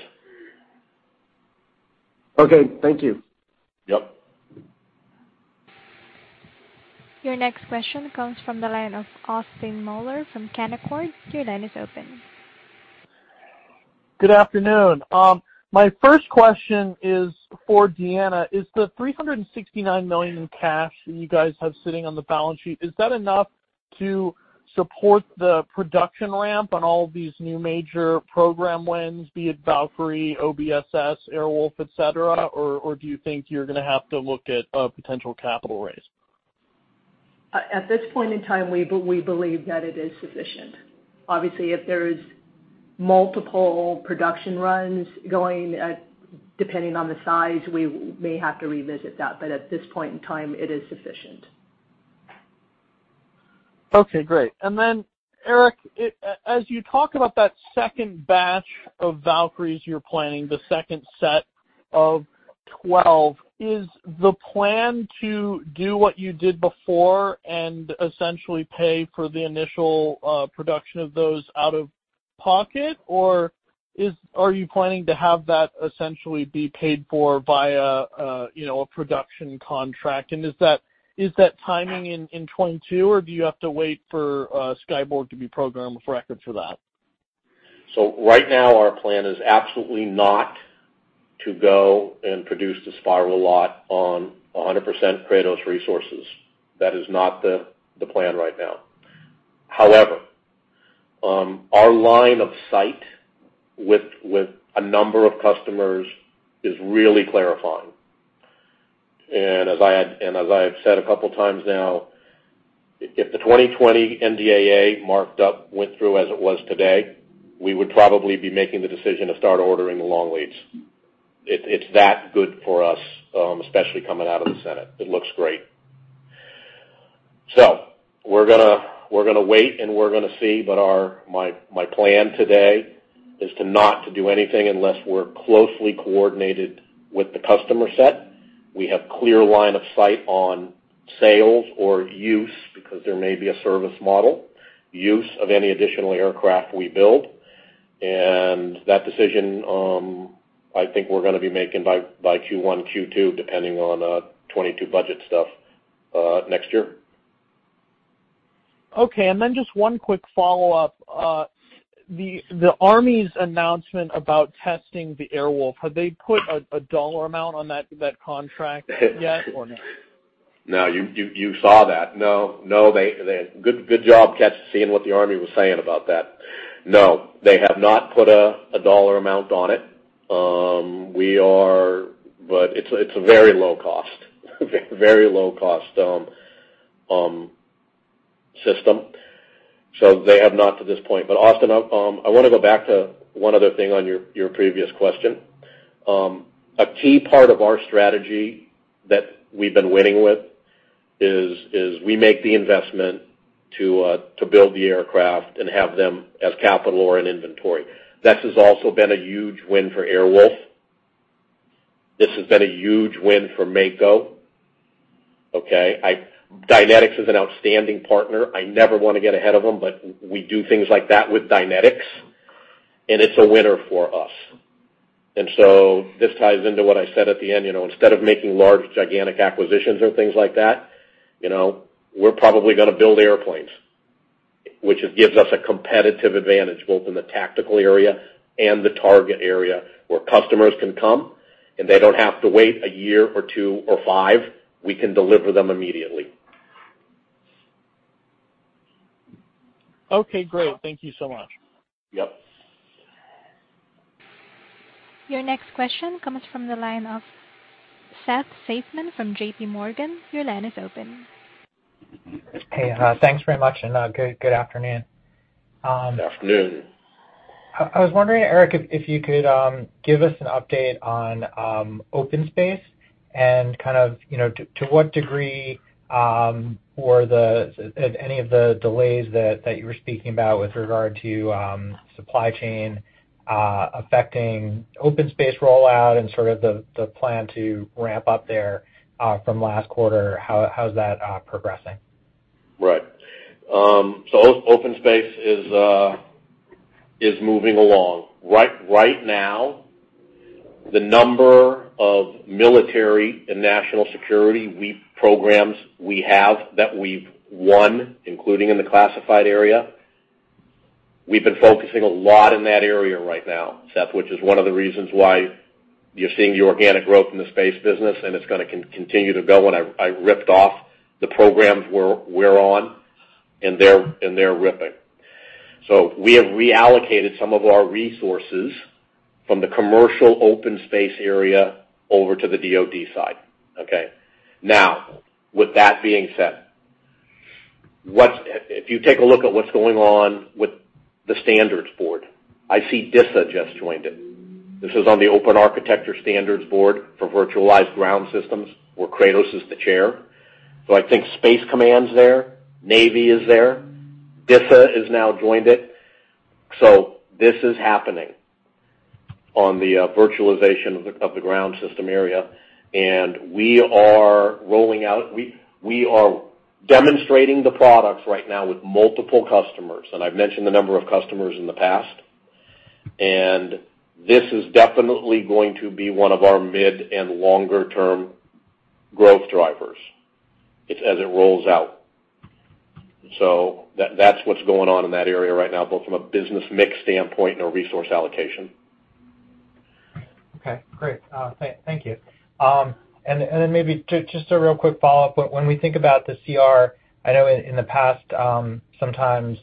Okay. Thank you. Yep. Your next question comes from the line of Austin Moeller from Canaccord. Your line is open. Good afternoon. My first question is for Deanna. Is the $369 million in cash that you guys have sitting on the balance sheet enough to support the production ramp on all these new major program wins, be it Valkyrie, OBSS, Air Wolf, et cetera, or do you think you're gonna have to look at a potential capital raise? At this point in time, we believe that it is sufficient. Obviously, if there's multiple production runs going, depending on the size, we may have to revisit that. At this point in time, it is sufficient. Okay, great. Then, Eric, as you talk about that second batch of Valkyries you're planning, the second set of 12, is the plan to do what you did before and essentially pay for the initial production of those out of pocket, or are you planning to have that essentially be paid for via, you know, a production contract? And is that timing in 2022, or do you have to wait for Skyborg to be program of record for that? Right now, our plan is absolutely not to go and produce the spiral lot on 100% Kratos resources. That is not the plan right now. However, our line of sight with a number of customers is really clarifying. As I have said a couple times now, if the 2020 NDAA markup went through as it was today, we would probably be making the decision to start ordering the long leads. It's that good for us, especially coming out of the Senate. It looks great. We're gonna wait, and we're gonna see, but my plan today is not to do anything unless we're closely coordinated with the customer set. We have clear line of sight on sales or use because there may be a service model, use of any additional aircraft we build. That decision, I think we're gonna be making by Q1, Q2, depending on 2022 budget stuff next year. Okay. Just one quick follow-up. The Army's announcement about testing the Air Wolf, have they put a dollar amount on that contract yet or no? No. You saw that. No. They. Good job catching what the Army was saying about that. No, they have not put a dollar amount on it. It's a very low cost system. They have not to this point. Austin, I wanna go back to one other thing on your previous question. A key part of our strategy that we've been winning with is we make the investment to build the aircraft and have them as capital or inventory. This has also been a huge win for Air Wolf. This has been a huge win for Mako. Okay. Dynetics is an outstanding partner. I never wanna get ahead of them, but we do things like that with Dynetics, and it's a winner for us. This ties into what I said at the end. You know, instead of making large, gigantic acquisitions and things like that, you know, we're probably gonna build airplanes, which it gives us a competitive advantage, both in the tactical area and the target area, where customers can come, and they don't have to wait a year or 2 or 5. We can deliver them immediately. Okay, great. Thank you so much. Yep. Your next question comes from the line of Seth Seifman from JPMorgan. Your line is open. Hey, thanks very much, and good afternoon. Good afternoon. I was wondering, Eric, if you could give us an update on OpenSpace? Kind of, you know, to what degree have any of the delays that you were speaking about with regard to supply chain affecting OpenSpace rollout and sort of the plan to ramp up there from last quarter, how's that progressing? Right. OpenSpace is moving along. Right now, the number of military and national security programs we have that we've won, including in the classified area, we've been focusing a lot in that area right now, Seth, which is one of the reasons why you're seeing the organic growth in the space business, and it's gonna continue to go, and I ripped off the programs we're on, and they're ripping. We have reallocated some of our resources from the commercial OpenSpace area over to the DoD side, okay? Now, with that being said, if you take a look at what's going on with the standards board, I see DISA just joined it. This is on the open architecture standards board for virtualized ground systems, where Kratos is the chair. I think Space Command's there, Navy is there, DISA has now joined it. This is happening on the virtualization of the ground system area. We are demonstrating the products right now with multiple customers, and I've mentioned the number of customers in the past. This is definitely going to be one of our mid- and longer-term growth drivers as it rolls out. That's what's going on in that area right now, both from a business mix standpoint and a resource allocation. Okay. Great. Thank you. Maybe just a real quick follow-up. When we think about the CR, I know in the past sometimes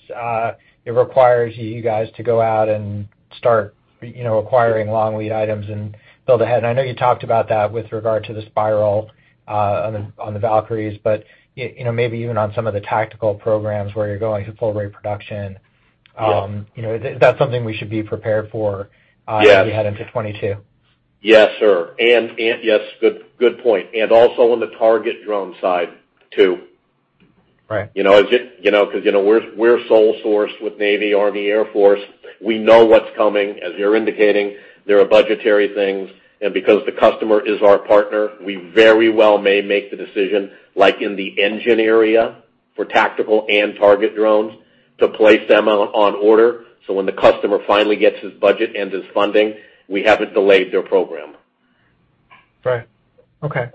it requires you guys to go out and start you know acquiring long lead items and build ahead. I know you talked about that with regard to the spiral on the Valkyries, but you know maybe even on some of the tactical programs where you're going to full rate production. Yes. You know, is that something we should be prepared for? Yes. As we head into 2022? Yes, sir. Yes, good point. Also on the target drone side too. Right. You know, 'cause, you know, we're sole source with Navy, Army, Air Force. We know what's coming. As you're indicating, there are budgetary things, and because the customer is our partner, we very well may make the decision, like in the engine area for tactical and target drones, to place them on order, so when the customer finally gets his budget and his funding, we haven't delayed their program. Right. Okay.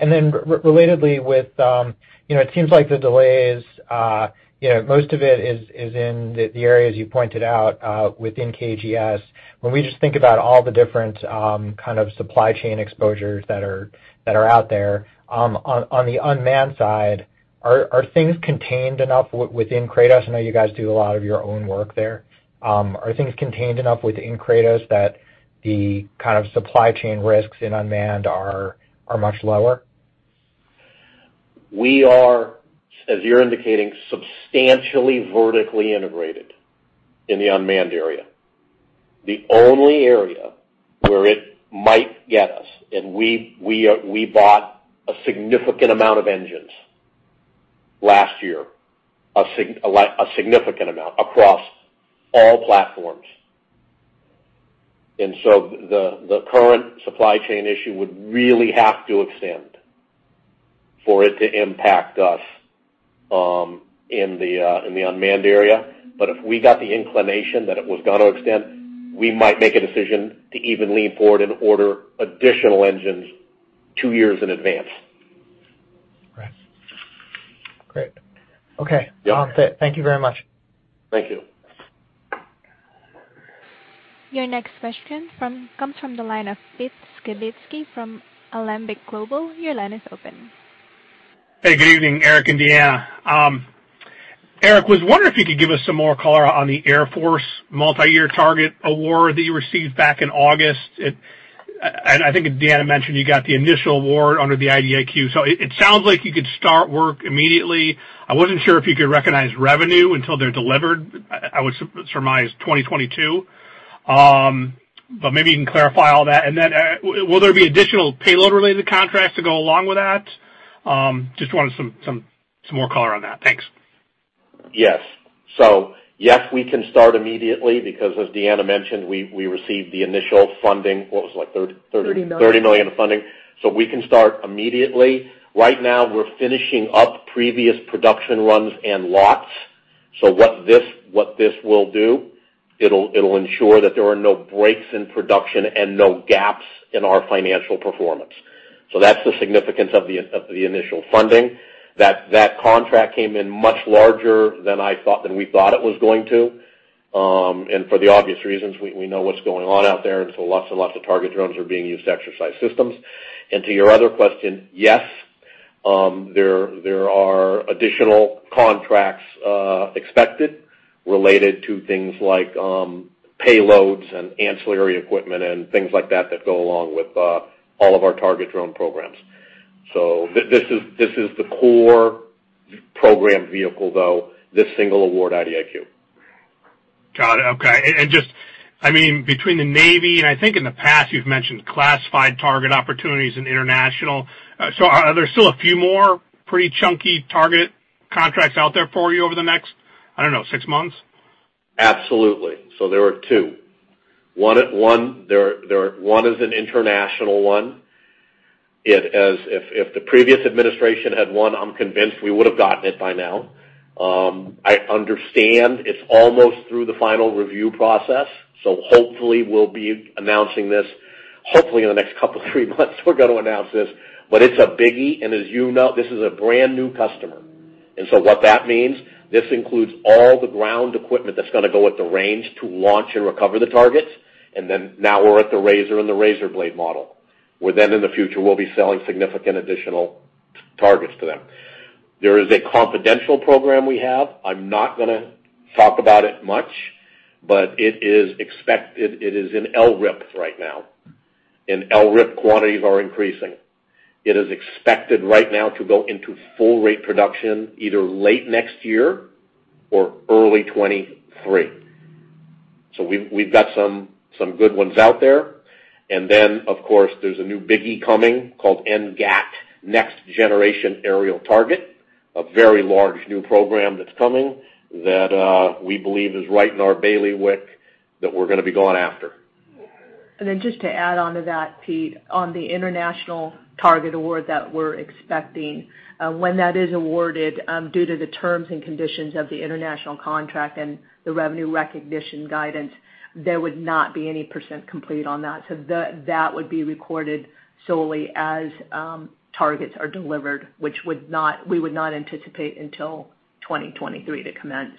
Relatedly with, you know, it seems like the delays, you know, most of it is in the areas you pointed out within KGS. When we just think about all the different kind of supply chain exposures that are out there, on the unmanned side, are things contained enough within Kratos? I know you guys do a lot of your own work there. Are things contained enough within Kratos that the kind of supply chain risks in unmanned are much lower? We are, as you're indicating, substantially vertically integrated in the unmanned area. The only area where it might get us, and we've bought a significant amount of engines last year, a significant amount across all platforms. The current supply chain issue would really have to extend for it to impact us, in the unmanned area. If we got the inclination that it was gonna extend, we might make a decision to even lean forward and order additional engines two years in advance. Right. Great. Okay. Yeah. That's it. Thank you very much. Thank you. Your next question comes from the line of Pete Skibitski from Alembic Global. Your line is open. Hey, good evening, Eric and Deanna. Eric, I was wondering if you could give us some more color on the Air Force multiyear target award that you received back in August. I think Deanna mentioned you got the initial award under the IDIQ. So it sounds like you could start work immediately. I wasn't sure if you could recognize revenue until they're delivered. I would surmise 2022. But maybe you can clarify all that. Then, will there be additional payload-related contracts to go along with that? Just wanted some more color on that. Thanks. Yes. We can start immediately because as Deanna mentioned, we received the initial funding. $30 million. $30 million of funding. We can start immediately. Right now, we're finishing up previous production runs and lots. What this will do, it'll ensure that there are no breaks in production and no gaps in our financial performance. That's the significance of the initial funding. That contract came in much larger than we thought it was going to. For the obvious reasons, we know what's going on out there, and so lots and lots of target drones are being used to exercise systems. To your other question, yes, there are additional contracts expected related to things like payloads and ancillary equipment and things like that that go along with all of our target drone programs. This is the core program vehicle, though, this single award IDIQ. Got it. Okay. Just, I mean, between the Navy, and I think in the past, you've mentioned classified target opportunities in international. Are there still a few more pretty chunky target contracts out there for you over the next, I don't know, six months? Absolutely. There are two. One is an international one. It's as if the previous administration had won, I'm convinced we would have gotten it by now. I understand it's almost through the final review process, so hopefully we'll be announcing this in the next couple three months. We're gonna announce this. It's a biggie, and as you know, this is a brand-new customer. What that means, this includes all the ground equipment that's gonna go with the range to launch and recover the targets. Now we're at the razor and the razor blade model, where then in the future, we'll be selling significant additional targets to them. There is a confidential program we have. I'm not gonna talk about it much, but it is expected. It is in LRIP right now, and LRIP quantities are increasing. It is expected right now to go into full rate production either late next year or early 2023. We've got some good ones out there. Of course, there's a new biggie coming called NGAT, Next Generation Aerial Target, a very large new program that's coming that we believe is right in our bailiwick that we're gonna be going after. Just to add on to that, Pete, on the international target award that we're expecting, when that is awarded, due to the terms and conditions of the international contract and the revenue recognition guidance, there would not be any percent complete on that. So that would be recorded solely as targets are delivered, which we would not anticipate until 2023 to commence.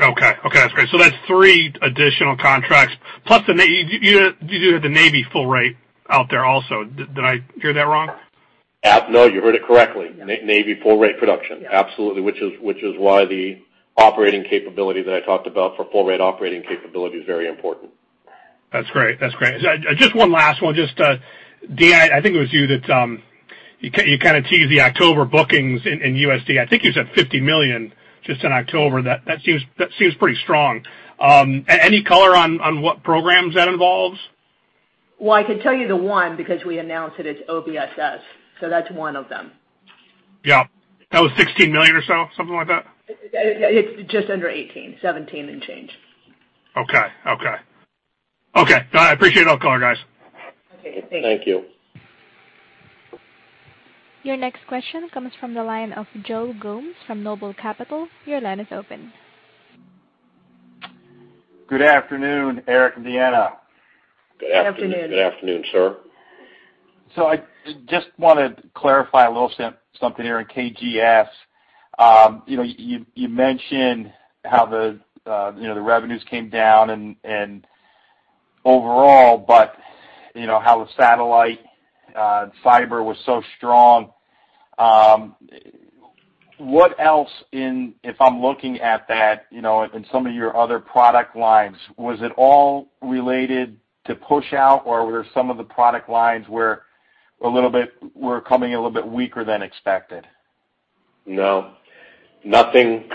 Okay. Okay, that's great. That's three additional contracts plus you do have the Navy full rate out there also. Did I hear that wrong? No, you heard it correctly. Yeah. Navy full rate production. Yeah. Absolutely, which is why the operating capability that I talked about for full rate operating capability is very important. That's great. Just one last one. Just, Deanna, I think it was you that you kinda teased the October bookings in USD. I think you said $50 million just in October. That seems pretty strong. Any color on what programs that involves? Well, I can tell you the one because we announced it. It's OBSS, so that's one of them. Yeah. That was $16 million or so, something like that? It's just under 18, 17 and change. Okay. No, I appreciate it. I'll call her, guys. Okay. Thanks. Thank you. Your next question comes from the line of Joe Gomes from Noble Capital. Your line is open. Good afternoon, Eric and Deanna. Good afternoon. Good afternoon, sir. I just wanna clarify a little something here in KGS. You know, you mentioned how the revenues came down and overall, but you know, how the satellite fiber was so strong. What else, if I'm looking at that, you know, in some of your other product lines, was it all related to push out, or were some of the product lines coming a little bit weaker than expected? No. Nothing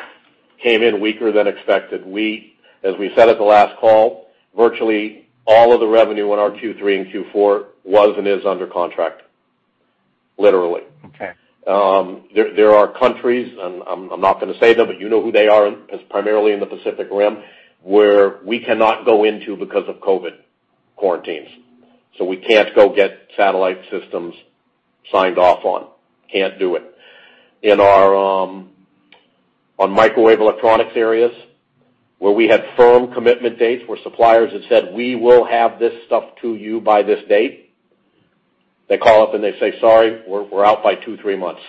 came in weaker than expected. We, as we said at the last call, virtually all of the revenue in our Q3 and Q4 was and is under contract, literally. Okay. There are countries, and I'm not gonna say them, but you know who they are. It's primarily in the Pacific Rim, where we cannot go into because of COVID quarantines. We can't go get satellite systems signed off on. Can't do it. In our microwave electronics areas, where we had firm commitment dates where suppliers had said, "We will have this stuff to you by this date," they call up and they say, "Sorry, we're out by two, three months."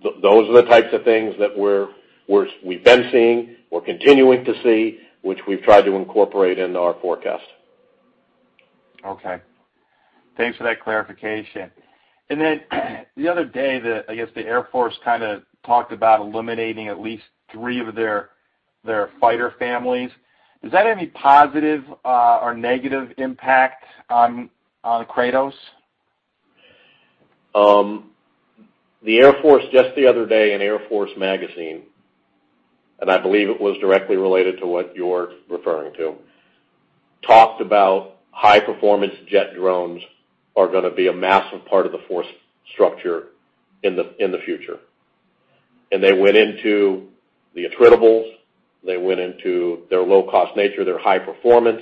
Those are the types of things that we've been seeing, we're continuing to see, which we've tried to incorporate into our forecast. Okay. Thanks for that clarification. The other day, I guess the Air Force kinda talked about eliminating at least three of their fighter families. Does that have any positive or negative impact on Kratos? The Air Force just the other day in Air Force Magazine, and I believe it was directly related to what you're referring to, talked about high-performance jet drones are gonna be a massive part of the force structure in the future. They went into the attritables. They went into their low-cost nature, their high performance.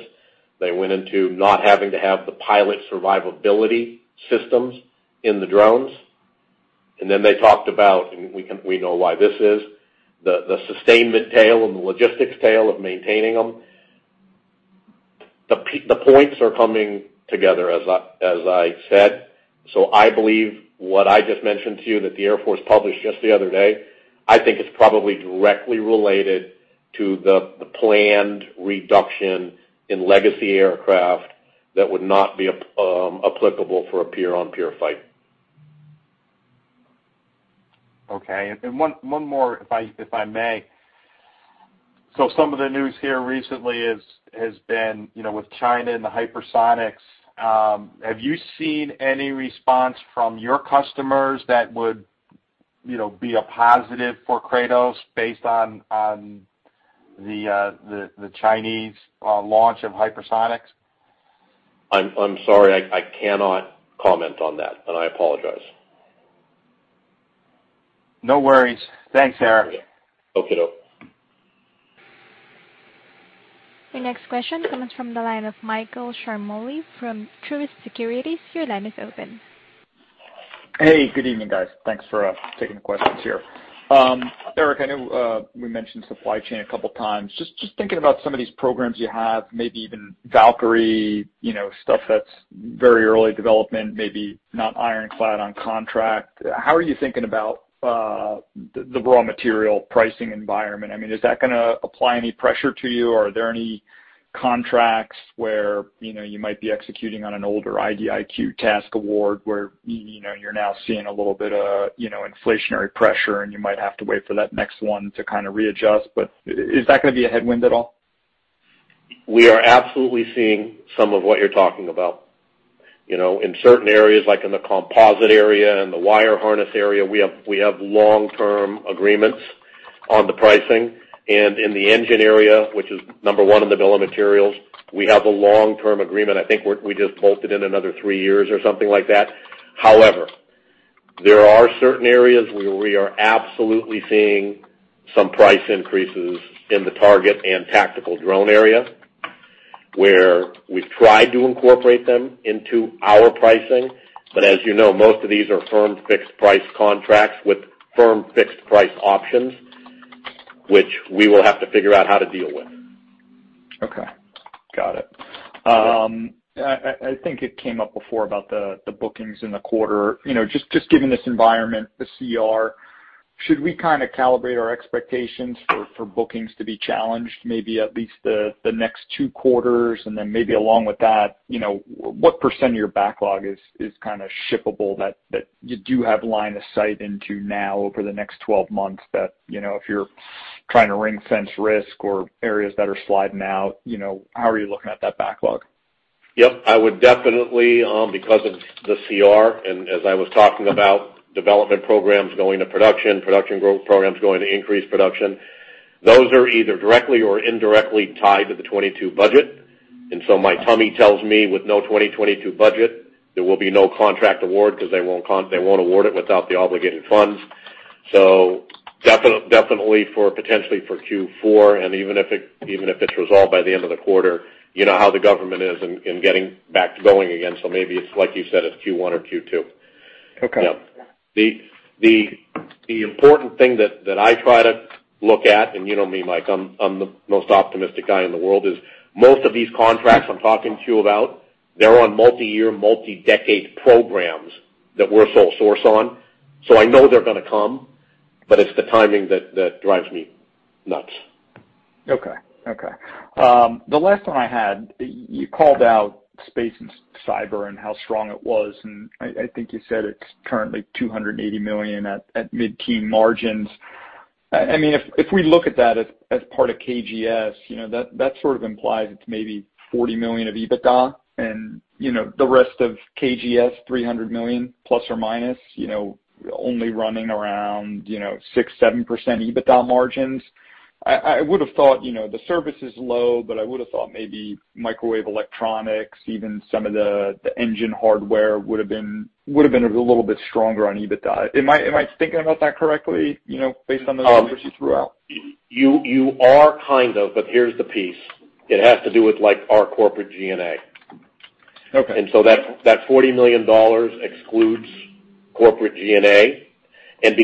They went into not having to have the pilot survivability systems in the drones. They talked about, we know why this is, the sustainment tail and the logistics tail of maintaining them. The points are coming together as I said, so I believe what I just mentioned to you that the Air Force published just the other day, I think it's probably directly related to the planned reduction in legacy aircraft that would not be applicable for a peer-on-peer fight. Okay. One more if I may. Some of the news here recently has been, you know, with China and the hypersonics. Have you seen any response from your customers that would, you know, be a positive for Kratos based on the Chinese launch of hypersonics? I'm sorry, I cannot comment on that, and I apologize. No worries. Thanks, Eric. Okay, doke. Your next question comes from the line of Michael Ciarmoli from Truist Securities. Your line is open. Hey, good evening, guys. Thanks for taking the questions here. Eric, I know we mentioned supply chain a couple times. Just thinking about some of these programs you have, maybe even Valkyrie, you know, stuff that's very early development, maybe not ironclad on contract, how are you thinking about the raw material pricing environment? I mean, is that gonna apply any pressure to you or are there any contracts where, you know, you might be executing on an older IDIQ task award where you know, you're now seeing a little bit of, you know, inflationary pressure and you might have to wait for that next one to kind of readjust? Is that gonna be a headwind at all? We are absolutely seeing some of what you're talking about. You know, in certain areas like in the composite area and the wire harness area, we have long-term agreements on the pricing. In the engine area, which is number one in the bill of materials, we have a long-term agreement. I think we're, we just bolted in another three years or something like that. However, there are certain areas where we are absolutely seeing some price increases in the target and tactical drone area, where we've tried to incorporate them into our pricing. As you know, most of these are firm fixed price contracts with firm fixed price options, which we will have to figure out how to deal with. Okay. Got it. I think it came up before about the bookings in the quarter. You know, just given this environment, the CR, should we kind of calibrate our expectations for bookings to be challenged maybe at least the next two quarters? Maybe along with that, you know, what percent of your backlog is kind of shippable that you do have line of sight into now over the next twelve months that, you know, if you're trying to ring-fence risk or areas that are sliding out, you know, how are you looking at that backlog? Yep. I would definitely, because of the CR, and as I was talking about development programs going to production growth programs going to increased production, those are either directly or indirectly tied to the 2022 budget. My tummy tells me with no 2022 budget, there will be no contract award because they won't award it without the obligating funds. Definitely potentially for Q4, and even if it's resolved by the end of the quarter, you know how the government is in getting back to going again. Maybe it's like you said, it's Q1 or Q2. Okay. Yeah. The important thing that I try to look at, and you know me, Mike, I'm the most optimistic guy in the world, is most of these contracts I'm talking to you about, they're on multi-year, multi-decade programs that we're sole source on. So I know they're gonna come, but it's the timing that drives me nuts. Okay, you called out space and cyber and how strong it was, and I think you said it's currently $280 million at mid-teen margins. I mean, if we look at that as part of KGS, you know, that sort of implies it's maybe $40 million of EBITDA and, you know, the rest of KGS, $300 million ±, you know, only running around 6%-7% EBITDA margins. I would have thought, you know, the service is low, but I would have thought maybe microwave electronics, even some of the engine hardware would have been a little bit stronger on EBITDA. Am I thinking about that correctly, you know, based on those numbers you threw out? You are kind of, but here's the piece. It has to do with like our corporate G&A. Okay. That $40 million excludes corporate G&A.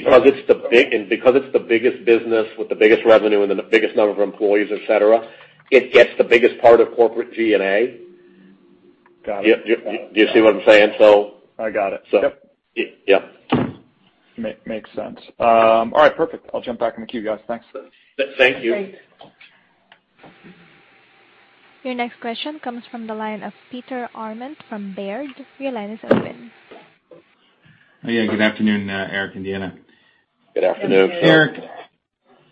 Because it's the biggest business with the biggest revenue and then the biggest number of employees, et cetera, it gets the biggest part of corporate G&A. Got it. Do you see what I'm saying? I got it. Yep. Yeah. Makes sense. All right, perfect. I'll jump back in the queue, guys. Thanks. Thank you. Your next question comes from the line of Peter Arment from Baird. Your line is open. Yeah. Good afternoon, Eric and Deanna. Good afternoon.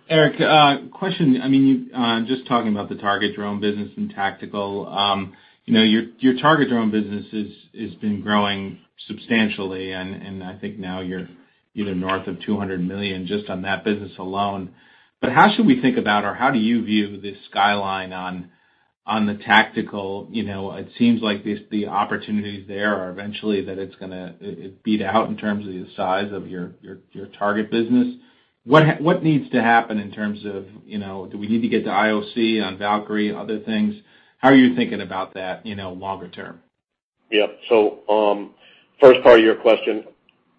Eric, question. I mean, you just talking about the target drone business and tactical. You know, your target drone business has been growing substantially, and I think now you're, you know, north of $200 million just on that business alone. But how should we think about or how do you view the pipeline on the tactical? You know, it seems like the opportunities there are eventually that it's gonna beat out in terms of the size of your target business. What needs to happen in terms of, you know, do we need to get to IOC on Valkyrie, other things? How are you thinking about that, you know, longer-term? Yeah. First part of your question,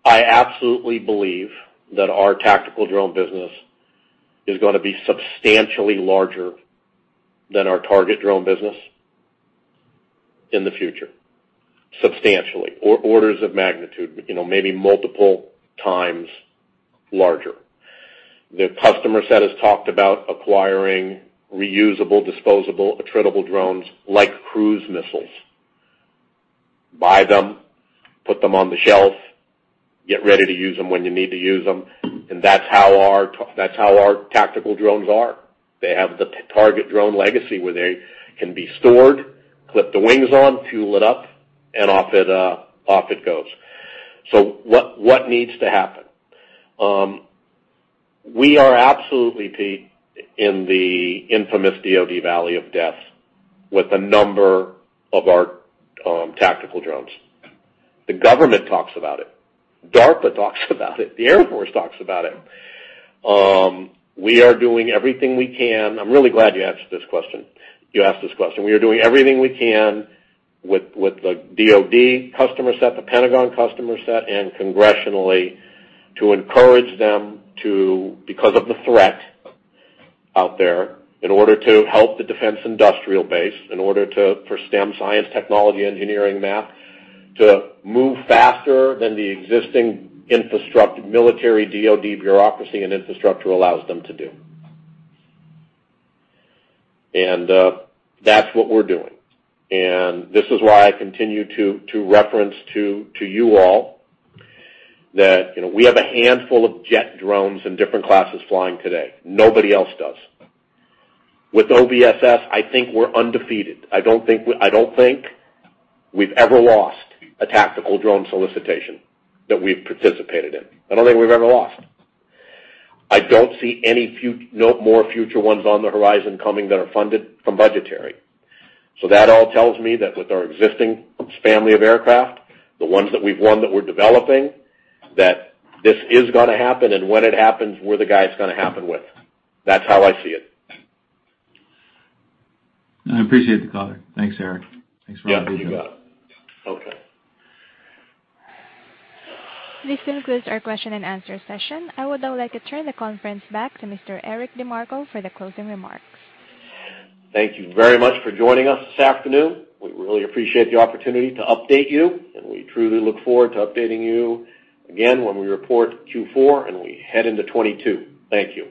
I absolutely believe that our tactical drone business is gonna be substantially larger than our target drone business in the future, substantially. Orders of magnitude, you know, maybe multiple times larger. The customer set has talked about acquiring reusable, disposable, attritable drones like cruise missiles. Buy them, put them on the shelf, get ready to use them when you need to use them. That's how our tactical drones are. They have the target drone legacy where they can be stored, clip the wings on, fuel it up, and off it goes. What needs to happen? We are absolutely peaking in the infamous DoD Valley of Death with a number of our tactical drones. The government talks about it. DARPA talks about it. The Air Force talks about it. We are doing everything we can. I'm really glad you asked this question. We are doing everything we can with the DoD customer set, the Pentagon customer set, and congressionally to encourage them because of the threat out there, in order to help the defense industrial base, in order to for STEM, science, technology, engineering, math, to move faster than the existing military DoD bureaucracy and infrastructure allows them to do. That's what we're doing. This is why I continue to reference to you all that, you know, we have a handful of jet drones in different classes flying today. Nobody else does. With OBSS, I think we're undefeated. I don't think we've ever lost a tactical drone solicitation that we've participated in. I don't think we've ever lost. I don't see any more future ones on the horizon coming that are funded from budgetary. That all tells me that with our existing family of aircraft, the ones that we've won, that we're developing, that this is gonna happen, and when it happens, we're the guy it's gonna happen with. That's how I see it. I appreciate the call. Thanks, Eric. Thanks for all you do. Yeah, you got it. Okay. This concludes our question and answer session. I would now like to turn the conference back to Mr. Eric DeMarco for the closing remarks. Thank you very much for joining us this afternoon. We really appreciate the opportunity to update you, and we truly look forward to updating you again when we report Q4 and we head into 2022. Thank you.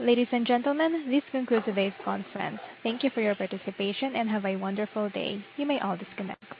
Ladies and gentlemen, this concludes today's conference. Thank you for your participation, and have a wonderful day. You may all disconnect.